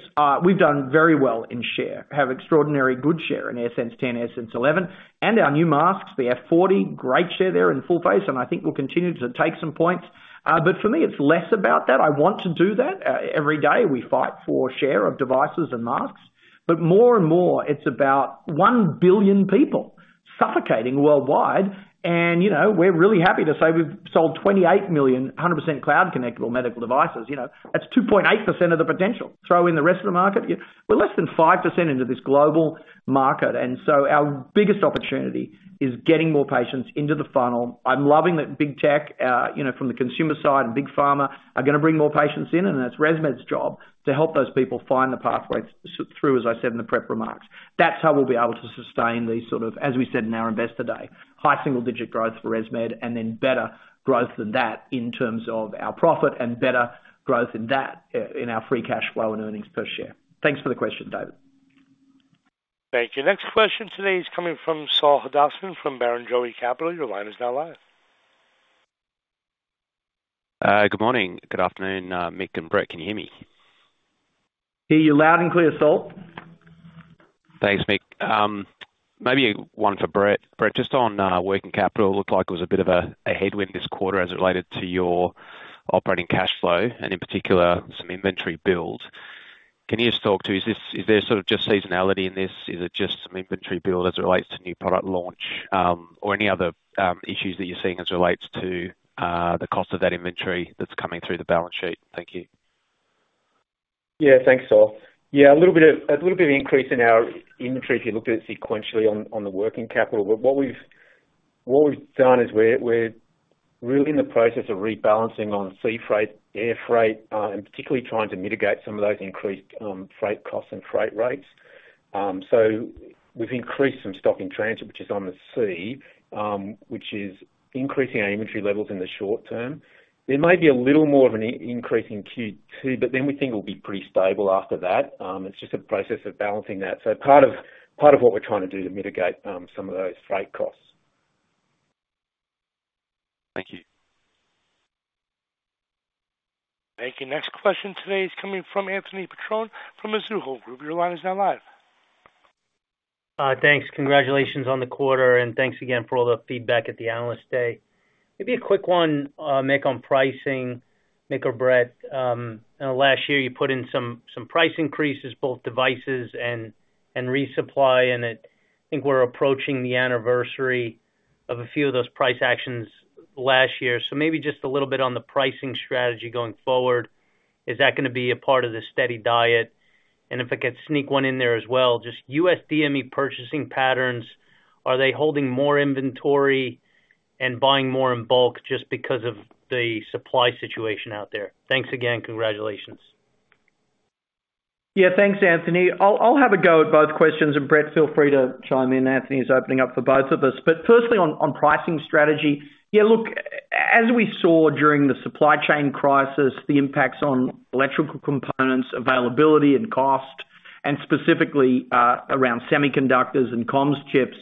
C: we've done very well in share, have extraordinary good share in AirSense 10, AirSense 11, and our new masks, the F40, great share there in full face, and I think we'll continue to take some points. But for me, it's less about that. I want to do that. Every day we fight for share of devices and masks, but more and more, it's about 1 billion people suffocating worldwide, and, you know, we're really happy to say we've sold 28 million, 100% cloud-connected medical devices. You know, that's 2.8% of the potential. Throw in the rest of the market, we're less than 5% into this global market, and so our biggest opportunity is getting more patients into the funnel. I'm loving that big tech, you know, from the consumer side, and big pharma, are gonna bring more patients in, and it's ResMed's job to help those people find the pathways through, as I said in the prep remarks. That's how we'll be able to sustain these sort of, as we said in our Investor Day, high single-digit growth for ResMed, and then better growth than that, in our profit and better growth in that, in our free cash flow and earnings per share. Thanks for the question, David.
A: Thank you. Next question today is coming from Saul Hadassin from Barrenjoey. Your line is now live.
I: Good morning. Good afternoon, Mick and Brett. Can you hear me?
C: Hear you loud and clear, Saul.
I: Thanks, Mick. Maybe one for Brett. Brett, just on working capital. It looked like it was a bit of a headwind this quarter as it related to your operating cash flow and in particular, some inventory build. Is there sort of just seasonality in this? Is it just some inventory build as it relates to new product launch or any other issues that you're seeing as it relates to the cost of that inventory that's coming through the balance sheet? Thank you.
D: Yeah, thanks, Saul. Yeah, a little bit of, a little bit of increase in our inventory if you looked at it sequentially on, on the working capital. But what we've, what we've done is we're, we're really in the process of rebalancing on sea freight, air freight, and particularly trying to mitigate some of those increased freight costs and freight rates. So we've increased some stock in transit, which is on the sea, which is increasing our inventory levels in the short term. There may be a little more of an increase in Q2, but then we think it'll be pretty stable after that. It's just a process of balancing that. So part of, part of what we're trying to do to mitigate some of those freight costs.
I: Thank you.
A: Thank you. Next question today is coming from Anthony Petrone from Mizuho Group. Your line is now live.
J: Thanks. Congratulations on the quarter, and thanks again for all the feedback at the Analyst Day. Maybe a quick one, Mick, on pricing, Mick or Brett. Last year, you put in some price increases, both devices and resupply, and I think we're approaching the anniversary of a few of those price actions last year. So maybe just a little bit on the pricing strategy going forward. Is that gonna be a part of the steady diet? And if I could sneak one in there as well, just HME purchasing patterns, are they holding more inventory and buying more in bulk just because of the supply situation out there? Thanks again, congratulations.
C: Yeah, thanks, Anthony. I'll have a go at both questions, and Brett, feel free to chime in. Anthony is opening up for both of us. But firstly, on pricing strategy. Yeah, look, as we saw during the supply chain crisis, the impacts on electrical components, availability and cost, and specifically, around semiconductors and comms chips,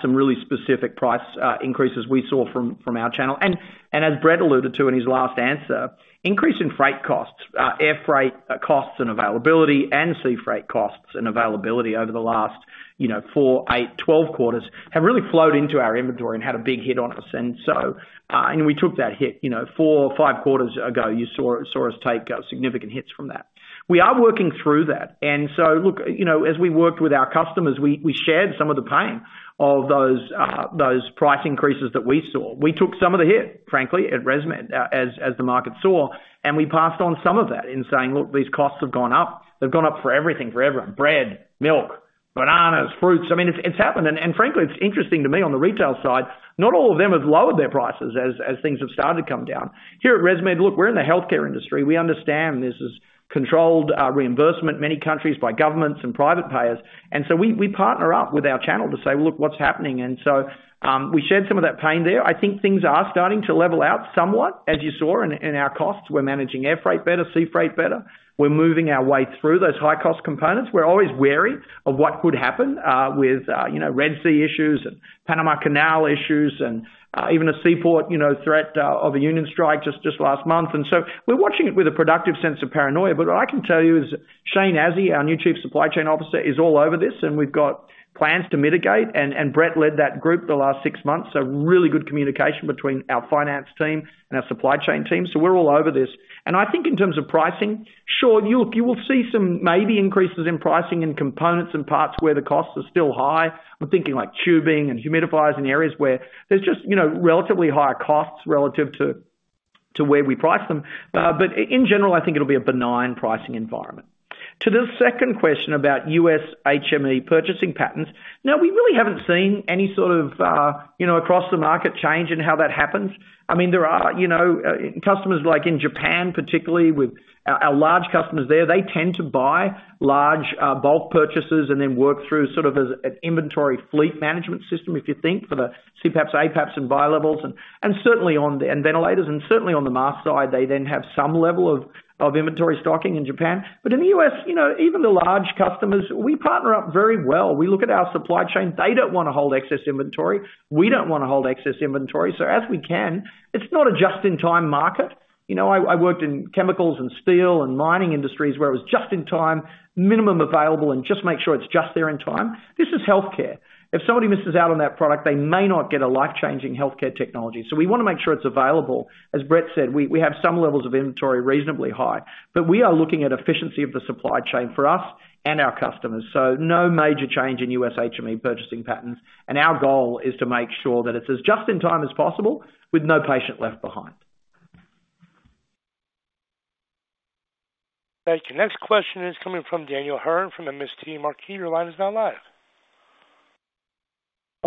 C: some really specific price increases we saw from our channel. And as Brett alluded to in his last answer, increase in freight costs, air freight costs and availability, and sea freight costs and availability over the last, you know, four, eight, 12 quarters, have really flowed into our inventory and had a big hit on us. And so, and we took that hit, you know, four or five quarters ago, you saw us take significant hits from that. We are working through that. So look, you know, as we worked with our customers, we shared some of the pain of those price increases that we saw. We took some of the hit, frankly, at ResMed, as the market saw, and we passed on some of that in saying, "Look, these costs have gone up. They've gone up for everything, for everyone. Bread, milk, bananas, fruits. I mean, it's happened, and frankly, it's interesting to me on the retail side, not all of them have lowered their prices as things have started to come down. Here at ResMed, look, we're in the healthcare industry. We understand this is controlled reimbursement in many countries by governments and private payers. We partner up with our channel to say, "Look, what's happening?" We shared some of that pain there. I think things are starting to level out somewhat, as you saw in our costs. We're managing air freight better, sea freight better. We're moving our way through those high-cost components. We're always wary of what could happen with you know, Red Sea issues and Panama Canal issues and even a seaport you know, threat of a union strike just last month. And so we're watching it with a productive sense of paranoia. But what I can tell you is, Shane Azzi, our new Chief Supply Chain Officer, is all over this, and we've got plans to mitigate, and Brett led that group the last six months, so really good communication between our finance team and our supply chain team. So we're all over this. And I think in terms of pricing, sure, you will see some maybe increases in pricing and components and parts where the costs are still high. I'm thinking like tubing and humidifiers in areas where there's just, you know, relatively higher costs relative to where we price them. But in general, I think it'll be a benign pricing environment. To the second question about US HME purchasing patterns. Now, we really haven't seen any sort of, you know, across the market change in how that happens. I mean, there are, you know, customers, like, in Japan, particularly with our large customers there. They tend to buy large, bulk purchases and then work through sort of as an inventory fleet management system, if you think, for the CPAPs, APAPs, and bilevels, and certainly on ventilators, and certainly on the mask side. They then have some level of inventory stocking in Japan. But in the US, you know, even the large customers, we partner up very well. We look at our supply chain. They don't wanna hold excess inventory. We don't wanna hold excess inventory. So as we can, it's not a just-in-time market. You know, I worked in chemicals and steel and mining industries, where it was just in time, minimum available, and just make sure it's just there in time. This is healthcare. If somebody misses out on that product, they may not get a life-changing healthcare technology. So we wanna make sure it's available. As Brett said, we, we have some levels of inventory reasonably high, but we are looking at efficiency of the supply chain for us and our customers. So no major change in US HME purchasing patterns, and our goal is to make sure that it's as just in time as possible, with no patient left behind.
A: Thank you. Next question is coming from Dan Hurren from MST Marquee. Your line is now live.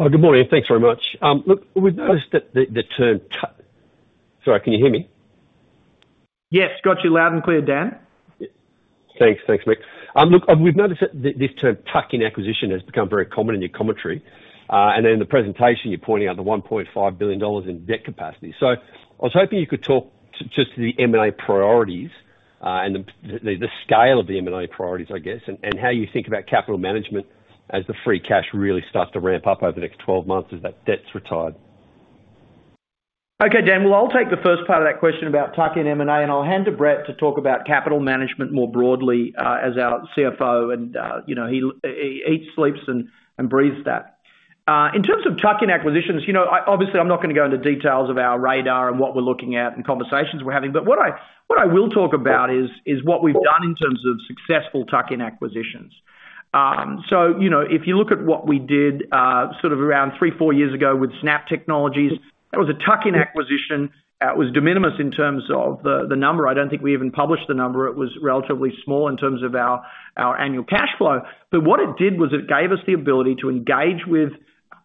K: Good morning, and thanks very much. Look, we've noticed that the term. Sorry, can you hear me?
C: Yes. Got you loud and clear, Dan.
K: Thanks. Thanks, Mick. Look, we've noticed that this term tuck-in acquisition has become very common in your commentary. And in the presentation, you're pointing out the $1.5 billion in debt capacity. So I was hoping you could talk just to the M&A priorities, and the scale of the M&A priorities, I guess, and how you think about capital management as the free cash really starts to ramp up over the next twelve months as that debt's retired.
C: Okay, Dan. Well, I'll take the first part of that question about tuck-in M&A, and I'll hand to Brett to talk about capital management more broadly, as our CFO, and, you know, he eats, sleeps, and breathes that. In terms of tuck-in acquisitions, you know, obviously, I'm not gonna go into details of our radar and what we're looking at and conversations we're having, but what I will talk about is what we've done in terms of successful tuck-in acquisitions. So, you know, if you look at what we did, sort of around three, four years ago with Snapworx, that was a tuck-in acquisition. It was de minimis in terms of the number. I don't think we even published the number. It was relatively small in terms of our annual cash flow. But what it did was it gave us the ability to engage with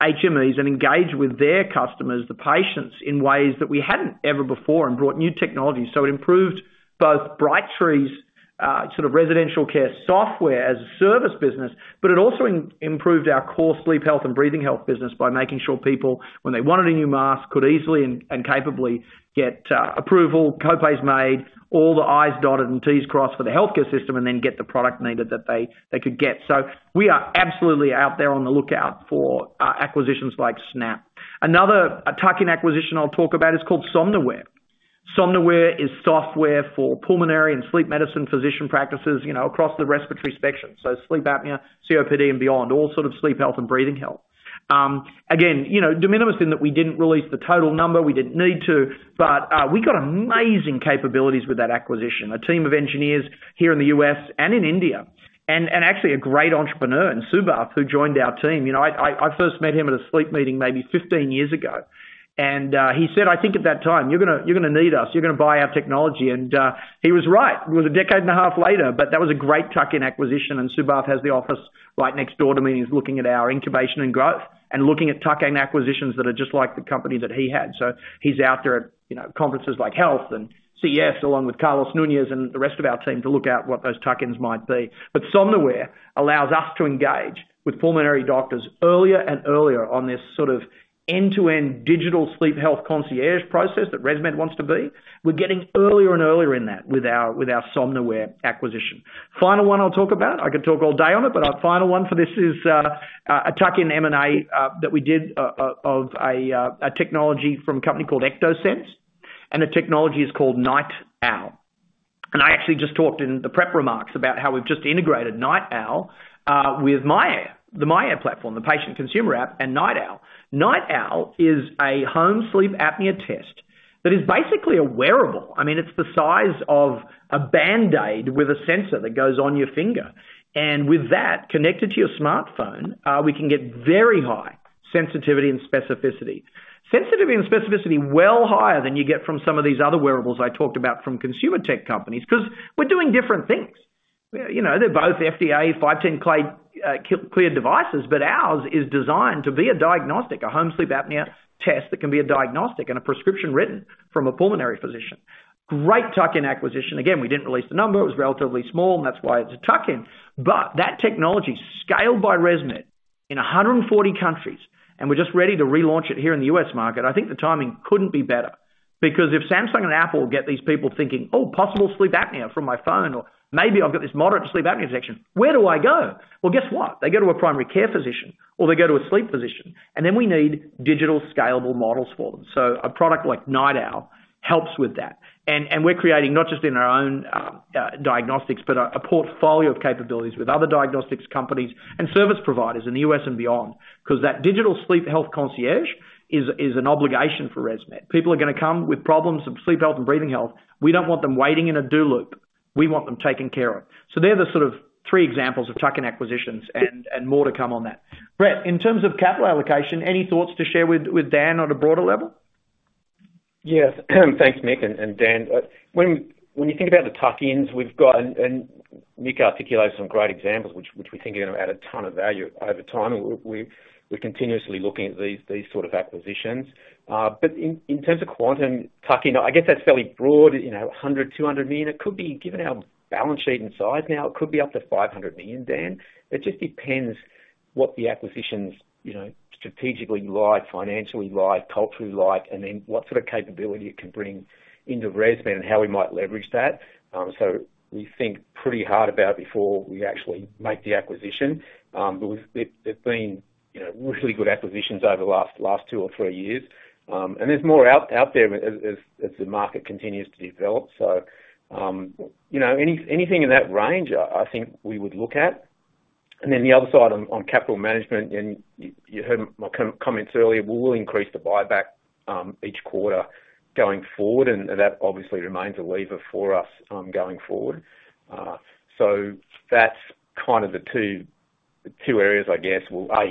C: HMEs and engage with their customers, the patients, in ways that we hadn't ever before and brought new technology. So it improved both Brightree's sort of residential care software as a service business, but it also improved our core sleep health and breathing health business by making sure people, when they wanted a new mask, could easily and capably get approval, co-pays made, all the I's dotted and T's crossed for the healthcare system, and then get the product needed that they could get. So we are absolutely out there on the lookout for acquisitions like Snap. Another tuck-in acquisition I'll talk about is called Somnoware. Somnoware is software for pulmonary and sleep medicine physician practices, you know, across the respiratory spectrum, so sleep apnea, COPD and beyond, all sort of sleep health and breathing health. Again, you know, de minimis in that we didn't release the total number. We didn't need to, but we got amazing capabilities with that acquisition. A team of engineers here in the U.S. and in India, and actually a great entrepreneur in Subath, who joined our team. You know, I first met him at a sleep meeting maybe fifteen years ago, and he said, "I think at that time, you're gonna need us. You're gonna buy our technology." And he was right. It was a decade and a half later, but that was a great tuck-in acquisition, and Subath has the office right next door to me. He's looking at our incubation and growth and looking at tuck-in acquisitions that are just like the company that he had. So he's out there at, you know, conferences like Health and CES, along with Carlos Nunez and the rest of our team, to look at what those tuck-ins might be. But Somnoware allows us to engage with pulmonary doctors earlier and earlier on this sort of end-to-end digital sleep health concierge process that ResMed wants to be. We're getting earlier and earlier in that with our Somnoware acquisition. Final one I'll talk about, I could talk all day on it, but our final one for this is a tuck-in M&A that we did of a technology from a company called Ectosense, and the technology is called NightOwl. And I actually just talked in the prep remarks about how we've just integrated NightOwl with myAir, the myAir platform, the patient consumer app and NightOwl. NightOwl is a home sleep apnea test that is basically a wearable. I mean, it's the size of a Band-Aid with a sensor that goes on your finger. And with that, connected to your smartphone, we can get very high sensitivity and specificity. Sensitivity and specificity well higher than you get from some of these other wearables I talked about from consumer tech companies, 'cause we're doing different things. You know, they're both FDA 510(k) cleared devices, but ours is designed to be a diagnostic, a home sleep apnea test that can be a diagnostic and a prescription written from a pulmonary physician. Great tuck-in acquisition. Again, we didn't release the number. It was relatively small, and that's why it's a tuck-in. But that technology is scaled by ResMed in a hundred and forty countries, and we're just ready to relaunch it here in the U.S. market. I think the timing couldn't be better, because if Samsung and Apple get these people thinking, "Oh, possible sleep apnea from my phone," or, "Maybe I've got this moderate sleep apnea section. Where do I go?" Well, guess what? They go to a primary care physician, or they go to a sleep physician, and then we need digital scalable models for them. So a product like NightOwl helps with that. And we're creating not just in our own diagnostics, but a portfolio of capabilities with other diagnostics companies and service providers in the U.S. and beyond. 'Cause that digital sleep health concierge is an obligation for ResMed. People are gonna come with problems of sleep health and breathing health. We don't want them waiting in a do loop. We want them taken care of. So they're the sort of three examples of tuck-in acquisitions and more to come on that. Brett, in terms of capital allocation, any thoughts to share with Dan on a broader level?
D: Yes, thanks, Mick and Dan. When you think about the tuck-ins we've got, and Mick articulated some great examples, which we think are gonna add a ton of value over time, and we're continuously looking at these sort of acquisitions. But in terms of quantum tuck-in, I guess that's fairly broad, you know, $100-$200 million. It could be, given our balance sheet and size now, it could be up to $500 million, Dan. It just depends what the acquisitions, you know, strategically like, financially like, culturally like, and then what sort of capability it can bring into ResMed, and how we might leverage that. So we think pretty hard about before we actually make the acquisition. But there's been, you know, really good acquisitions over the last two or three years. And there's more out there as the market continues to develop. So, you know, anything in that range, I think we would look at. And then the other side on capital management, and you heard my comments earlier, we will increase the buyback, each quarter going forward, and that obviously remains a lever for us, going forward. So that's kind of the two areas, I guess. Well, I...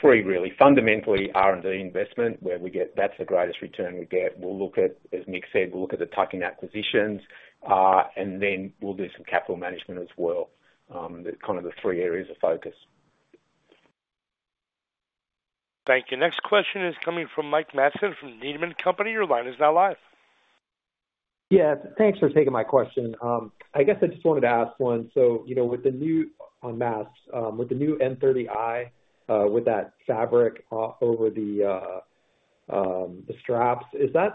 D: Three really, fundamentally, R&D investment, where we get, that's the greatest return we get. We'll look at, as Mick said, we'll look at the tuck-in acquisitions, and then we'll do some capital management as well. The kind of three areas of focus.
A: Thank you. Next question is coming from Mike Matson from Needham & Company. Your line is now live.
L: Yeah, thanks for taking my question. I guess I just wanted to ask one: so, you know, with the new, on masks, with the new N30i, with that fabric over the straps, is that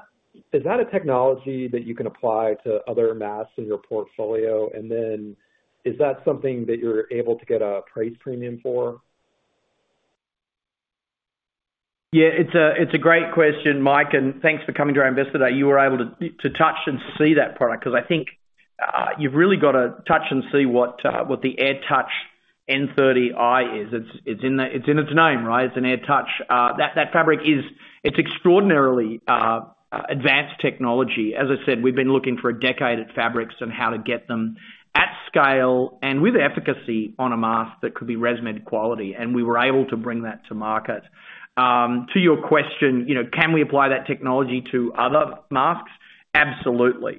L: a technology that you can apply to other masks in your portfolio? And then is that something that you're able to get a price premium for?
C: Yeah, it's a great question, Mike, and thanks for coming to our Investor Day. You were able to touch and see that product, 'cause I think you've really got to touch and see what the AirTouch N30i is. It's in its name, right? It's an AirTouch. That fabric is... It's extraordinarily advanced technology. As I said, we've been looking for a decade at fabrics and how to get them at scale and with efficacy on a mask that could be ResMed quality, and we were able to bring that to market. To your question, you know, can we apply that technology to other masks? Absolutely.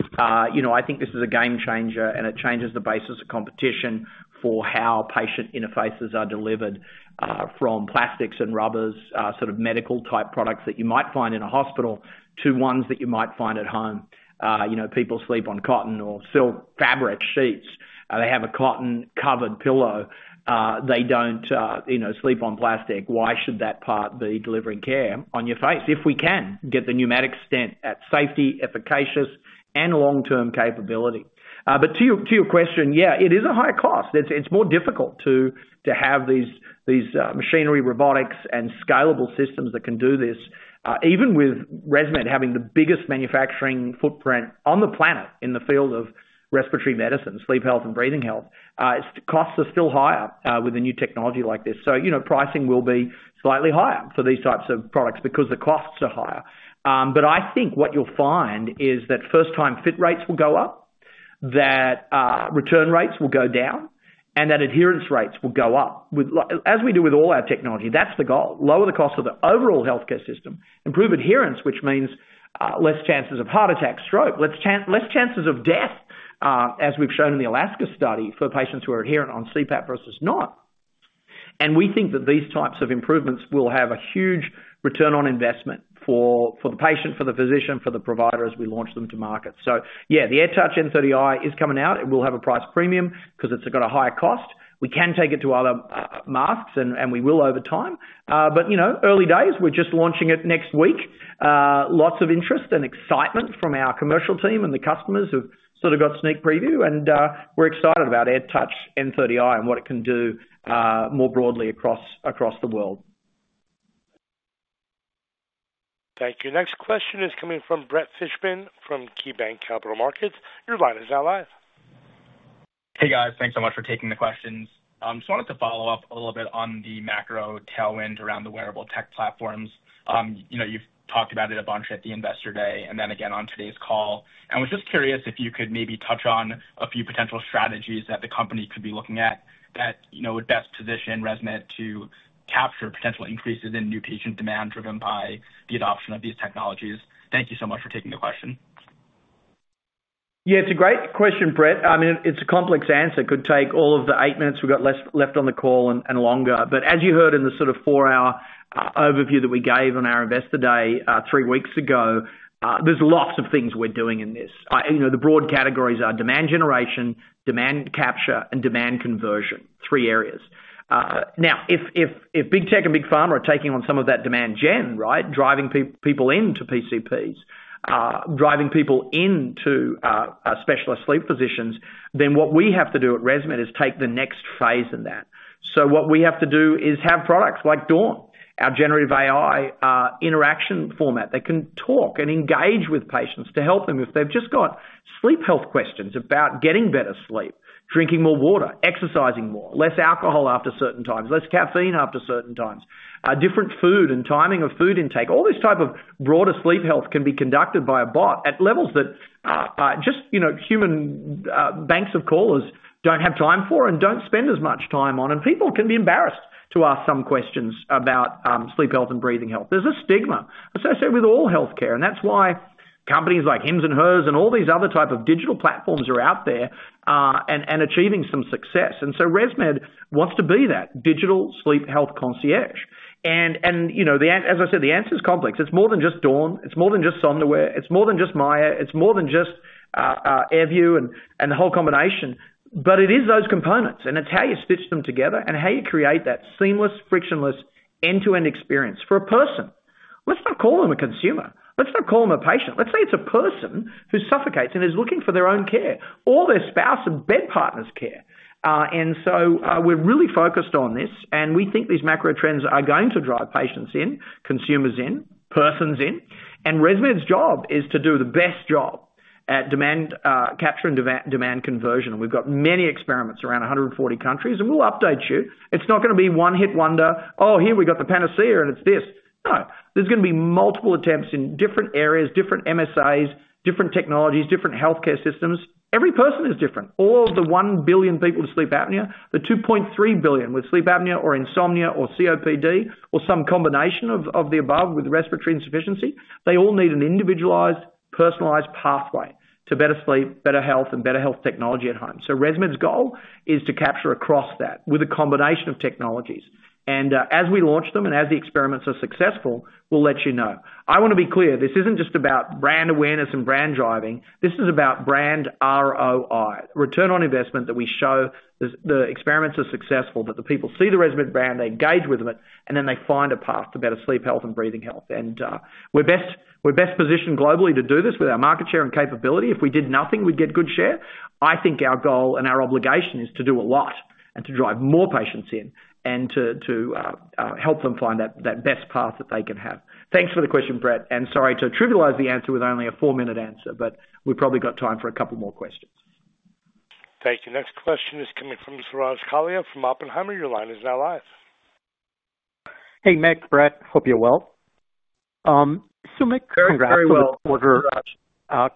C: You know, I think this is a game changer, and it changes the basis of competition for how patient interfaces are delivered, from plastics and rubbers, sort of medical-type products that you might find in a hospital, to ones that you might find at home. You know, people sleep on cotton or silk fabric sheets, they have a cotton-covered pillow, they don't, you know, sleep on plastic. Why should that part be delivering care on your face? If we can get the pneumatic stent at safety, efficacious, and long-term capability. But to your question, yeah, it is a high cost. It's more difficult to have these machinery, robotics, and scalable systems that can do this. Even with ResMed having the biggest manufacturing footprint on the planet in the field of respiratory medicine, sleep health and breathing health, its costs are still higher with a new technology like this. So, you know, pricing will be slightly higher for these types of products because the costs are higher. But I think what you'll find is that first-time fit rates will go up, that return rates will go down, and that adherence rates will go up, as we do with all our technology, that's the goal: lower the cost of the overall healthcare system, improve adherence, which means less chances of heart attack, stroke, less chances of death, as we've shown in the Alaska study, for patients who are adherent on CPAP versus not. We think that these types of improvements will have a huge return on investment for the patient, for the physician, for the provider, as we launch them to market. Yeah, the AirTouch N30i is coming out. It will have a price premium 'cause it's got a higher cost. We can take it to other masks, and we will over time. But you know, early days, we're just launching it next week. Lots of interest and excitement from our commercial team and the customers who've sort of got a sneak preview, and we're excited about AirTouch N30i and what it can do more broadly across the world.
A: Thank you. Next question is coming from Brett Fishman from KeyBank Capital Markets. Your line is now live.
M: Hey, guys. Thanks so much for taking the questions. Just wanted to follow up a little bit on the macro tailwind around the wearable tech platforms. You know, you've talked about it a bunch at the Investor Day, and then again on today's call. I was just curious if you could maybe touch on a few potential strategies that the company could be looking at that, you know, would best position ResMed to capture potential increases in new patient demand, driven by the adoption of these technologies. Thank you so much for taking the question.
C: Yeah, it's a great question, Brett. I mean, it's a complex answer. It could take all of the eight minutes we've got left on the call and longer. But as you heard in the sort of four-hour overview that we gave on our Investor Day three weeks ago, there's lots of things we're doing in this. You know, the broad categories are demand generation, demand capture, and demand conversion. Three areas. Now, if Big Tech and Big Pharma are taking on some of that demand gen, right? Driving people into PCPs, driving people into specialist sleep physicians, then what we have to do at ResMed is take the next phase in that. So what we have to do is have products like Dawn, our generative AI, interaction format, that can talk and engage with patients to help them if they've just got sleep health questions about getting better sleep, drinking more water, exercising more, less alcohol after certain times, less caffeine after certain times, different food and timing of food intake. All these type of broader sleep health can be conducted by a bot at levels that, just, you know, human, banks of callers don't have time for and don't spend as much time on, and people can be embarrassed to ask some questions about, sleep health and breathing health. There's a stigma associated with all healthcare, and that's why companies like Hims and Hers and all these other type of digital platforms are out there, and, and achieving some success. ResMed wants to be that digital sleep health concierge. You know, as I said, the answer is complex. It's more than just Dawn, it's more than just Somnoware, it's more than just myAir, it's more than just AirView and the whole combination. But it is those components, and it's how you stitch them together and how you create that seamless, frictionless, end-to-end experience for a person. Let's not call them a consumer. Let's not call them a patient. Let's say it's a person who suffocates and is looking for their own care or their spouse and bed partner's care. We're really focused on this, and we think these macro trends are going to drive patients in, consumers in, persons in, and ResMed's job is to do the best job at demand capture and demand conversion. We've got many experiments around 140 countries, and we'll update you. It's not gonna be one hit wonder, "Oh, here we got the panacea, and it's this." No, there's gonna be multiple attempts in different areas, different MSAs, different technologies, different healthcare systems. Every person is different. All of the 1 billion people with sleep apnea, the 2.3 billion with sleep apnea or insomnia or COPD or some combination of the above, with respiratory insufficiency, they all need an individualized, personalized pathway to better sleep, better health, and better health technology at home. So ResMed's goal is to capture across that with a combination of technologies. And, as we launch them and as the experiments are successful, we'll let you know. I wanna be clear, this isn't just about brand awareness and brand driving. This is about brand ROI, return on investment, that we show the experiments are successful, that the people see the ResMed brand, they engage with it, and then they find a path to better sleep health and breathing health. We're best positioned globally to do this with our market share and capability. If we did nothing, we'd get good share. I think our goal and our obligation is to do a lot and to drive more patients in and to help them find that best path that they can have. Thanks for the question, Brett, and sorry to trivialize the answer with only a four-minute answer, but we've probably got time for a couple more questions.
A: Thank you. Next question is coming from Suraj Kalia from Oppenheimer. Your line is now live.
N: Hey, Mick, Brett. Hope you're well. So, Mick-
C: Very, very well, Suraj.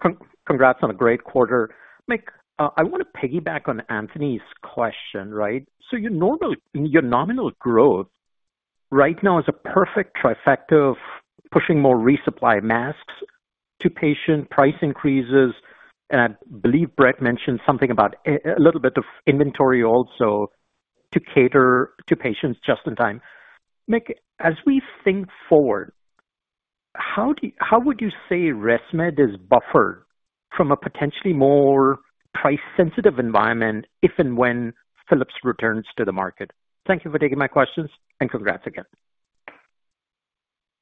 N: Congrats on a great quarter. Mick, I wanna piggyback on Anthony's question, right? So your nominal growth right now is a perfect trifecta of pushing more resupply masks to patients, price increases, and I believe Brett mentioned something about a little bit of inventory also to cater to patients just in time. Mick, as we think forward, how would you say ResMed is buffered from a potentially more price-sensitive environment, if and when Philips returns to the market? Thank you for taking my questions, and congrats again.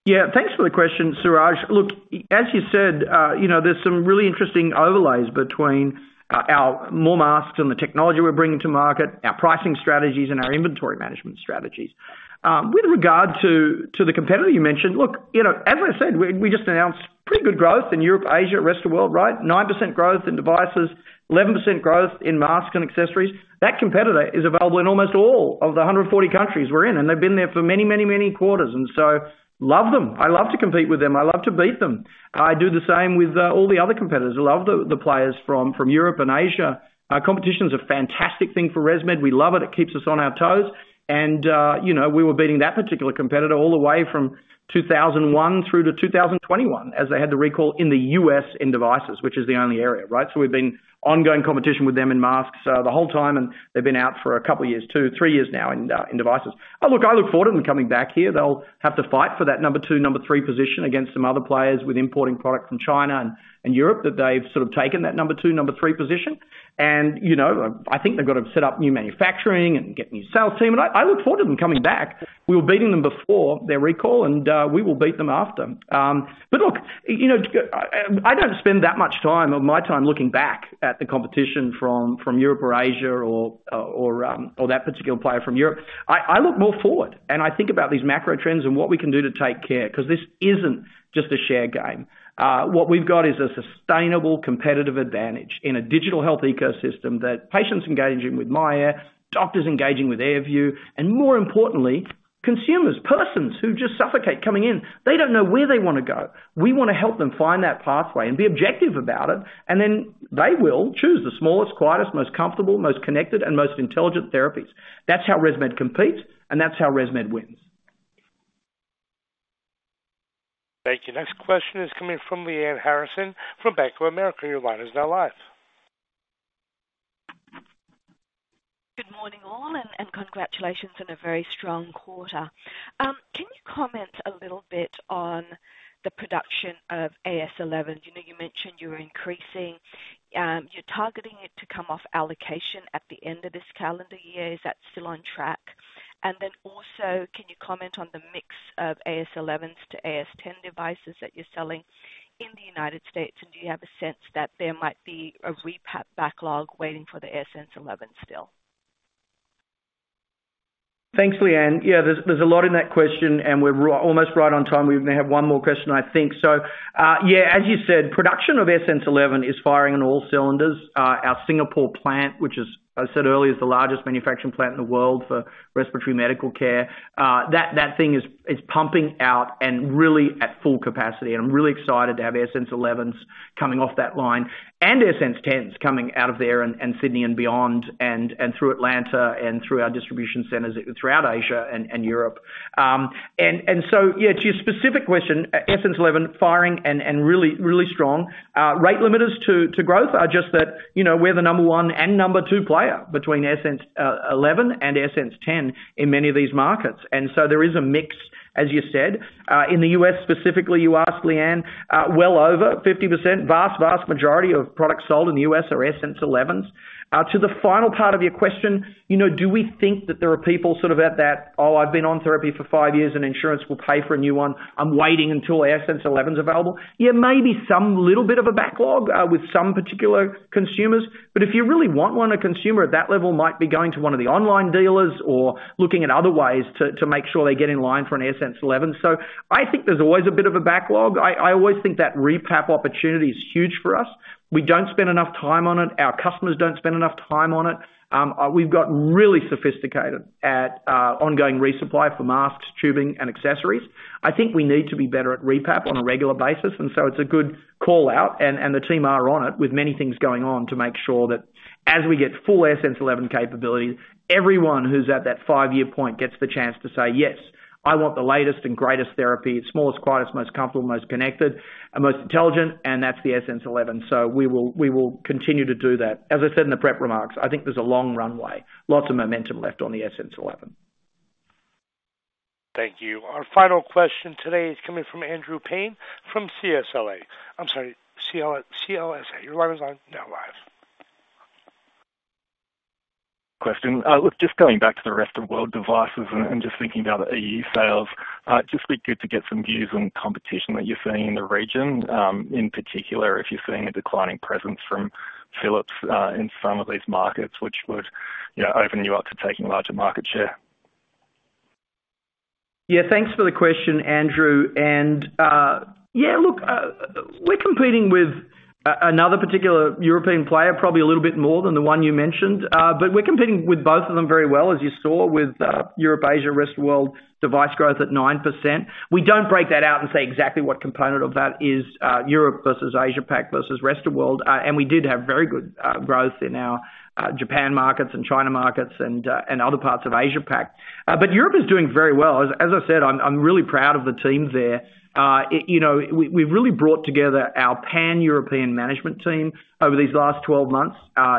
C: Yeah, thanks for the question, Suraj. Look, as you said, you know, there's some really interesting overlaps between our new masks and the technology we're bringing to market, our pricing strategies, and our inventory management strategies. With regard to the competitor you mentioned, look, you know, as I said, we just announced pretty good growth in Europe, Asia, rest of the world, right? 9% growth in devices, 11% growth in masks and accessories. That competitor is available in almost all of the 140 countries we're in, and they've been there for many, many, many quarters, and so love them. I love to compete with them. I love to beat them. I do the same with all the other competitors. I love the players from Europe and Asia. Competition's a fantastic thing for ResMed. We love it. It keeps us on our toes, and, you know, we were beating that particular competitor all the way from two thousand and one through to two thousand and twenty-one, as they had the recall in the U.S. in devices, which is the only area, right? So we've been ongoing competition with them in masks, the whole time, and they've been out for a couple of years, two, three years now in, in devices. Look, I look forward to them coming back here. They'll have to fight for that number two, number three position against some other players with importing products from China and Europe, that they've sort of taken that number two, number three position. And, you know, I think they've got to set up new manufacturing and get new sales team, and I look forward to them coming back. We were beating them before their recall, and we will beat them after, but look, you know, I don't spend that much time of my time looking back at the competition from Europe or Asia or that particular player from Europe. I look more forward, and I think about these macro trends and what we can do to take care, 'cause this isn't just a share game. What we've got is a sustainable, competitive advantage in a digital health ecosystem that patients engaging with myAir, doctors engaging with AirView, and more importantly, consumers, persons who just suffocate coming in. They don't know where they wanna go. We wanna help them find that pathway and be objective about it, and then they will choose the smallest, quietest, most comfortable, most connected, and most intelligent therapies. That's how ResMed competes, and that's how ResMed wins.
A: Thank you. Next question is coming from Liane Harrison, from Bank of America. Your line is now live.
O: Good morning, all, and congratulations on a very strong quarter. Can you comment a little bit on the production of AS11? You know, you mentioned you're increasing, you're targeting it to come off allocation at the end of this calendar year. Is that still on track? And then also, can you comment on the mix of AS11s to AS10 devices that you're selling in the United States, and do you have a sense that there might be a repat backlog waiting for the AS11 still?
C: Thanks, Leanne. Yeah, there's a lot in that question, and we're almost right on time. We may have one more question, I think. So, yeah, as you said, production of AirSense 11 is firing on all cylinders. Our Singapore plant, which, I said earlier, is the largest manufacturing plant in the world for respiratory medical care, that thing is pumping out and really at full capacity. I'm really excited to have AirSense 11s coming off that line and AirSense 10s coming out of there and Sydney and beyond, and through Atlanta and through our distribution centers throughout Asia and Europe. So, yeah, to your specific question, AirSense 11, firing and really strong. Rate limiters to growth are just that, you know. We're the number one and number two player between AirSense 11 and AirSense 10 in many of these markets. And so there is a mix, as you said. In the US, specifically, you asked, Liane, well, over 50%, vast majority of products sold in the US are AirSense 11s. To the final part of your question, you know, do we think that there are people sort of at that, "Oh, I've been on therapy for five years, and insurance will pay for a new one. I'm waiting until AirSense 11 is available."? Yeah, maybe some little bit of a backlog with some particular consumers. But if you really want one, a consumer at that level might be going to one of the online dealers or looking at other ways to make sure they get in line for an AirSense 11. So I think there's always a bit of a backlog. I always think that repap opportunity is huge for us. We don't spend enough time on it. Our customers don't spend enough time on it. We've gotten really sophisticated at ongoing resupply for masks, tubing, and accessories. I think we need to be better at re-PAP on a regular basis, and so it's a good call-out, and, and the team are on it, with many things going on to make sure that as we get full AirSense 11 capability, everyone who's at that five-year point gets the chance to say, "Yes, I want the latest and greatest therapy, smallest, quietest, most comfortable, most connected, and most intelligent," and that's the AirSense 11. So we will, we will continue to do that. As I said in the prep remarks, I think there's a long runway, lots of momentum left on the AirSense 11.
A: Thank you. Our final question today is coming from Andrew Paine, from CLSA. I'm sorry, CLSA. Your line is on, now live.
P: Question. Look, just going back to the rest of world devices and just thinking about the EU sales, it'd just be good to get some views on competition that you're seeing in the region. In particular, if you're seeing a declining presence from Philips in some of these markets, which would, you know, open you up to taking larger market share.
C: Yeah, thanks for the question, Andrew. And yeah, look, we're competing with another particular European player, probably a little bit more than the one you mentioned. But we're competing with both of them very well, as you saw with Europe, Asia, rest of world, device growth at 9%. We don't break that out and say exactly what component of that is, Europe versus Asia Pac versus rest of world. And we did have very good growth in our Japan markets and China markets and other parts of Asia Pac. But Europe is doing very well. As I said, I'm really proud of the teams there. It, you know, we, we've really brought together our Pan-European management team over these last twelve months,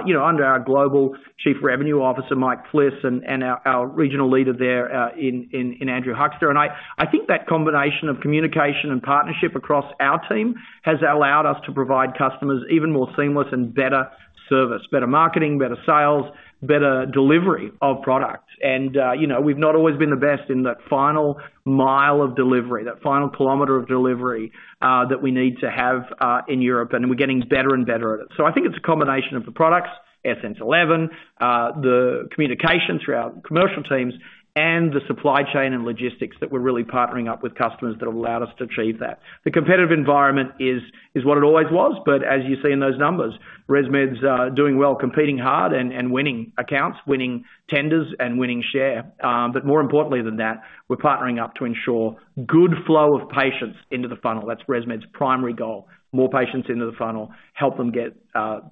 C: you know, under our Global Chief Revenue Officer, Mike Fliss, and our regional leader there, in Andrew Huxter. And I think that combination of communication and partnership across our team has allowed us to provide customers even more seamless and better service, better marketing, better sales, better delivery of products. And, you know, we've not always been the best in that final mile of delivery, that final kilometer of delivery, that we need to have, in Europe, and we're getting better and better at it. So I think it's a combination of the products, AirSense 11, the communication through our commercial teams, and the supply chain and logistics that we're really partnering up with customers that have allowed us to achieve that. The competitive environment is, is what it always was, but as you see in those numbers, ResMed's doing well, competing hard and winning accounts, winning tenders, and winning share. But more importantly than that, we're partnering up to ensure good flow of patients into the funnel. That's ResMed's primary goal. More patients into the funnel, help them get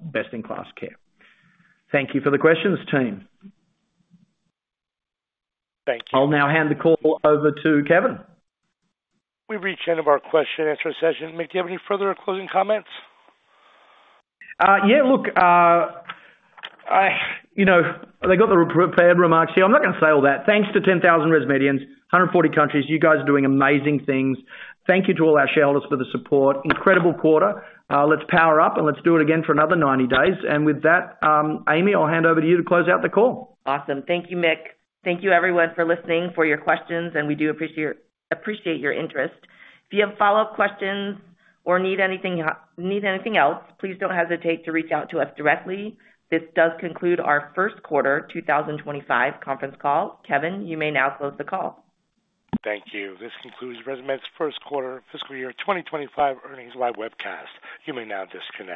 C: best-in-class care. Thank you for the questions, team.
P: Thank you.
C: I'll now hand the call over to Kevin.
A: We've reached the end of our question-and-answer session. Mick, do you have any further closing comments?
C: Yeah, look, you know, they got the prepared remarks here. I'm not going to say all that. Thanks to 10,000 ResMedians, 140 countries, you guys are doing amazing things. Thank you to all our shareholders for the support. Incredible quarter. Let's power up, and let's do it again for another 90 days. With that, Amy, I'll hand over to you to close out the call.
B: Awesome. Thank you, Mick. Thank you, everyone, for listening, for your questions, and we do appreciate, appreciate your interest. If you have follow-up questions or need anything else, please don't hesitate to reach out to us directly. This does conclude our first quarter two thousand and twenty-five conference call. Kevin, you may now close the call.
A: Thank you. This concludes ResMed's first quarter fiscal year twenty twenty-five earnings live webcast. You may now disconnect.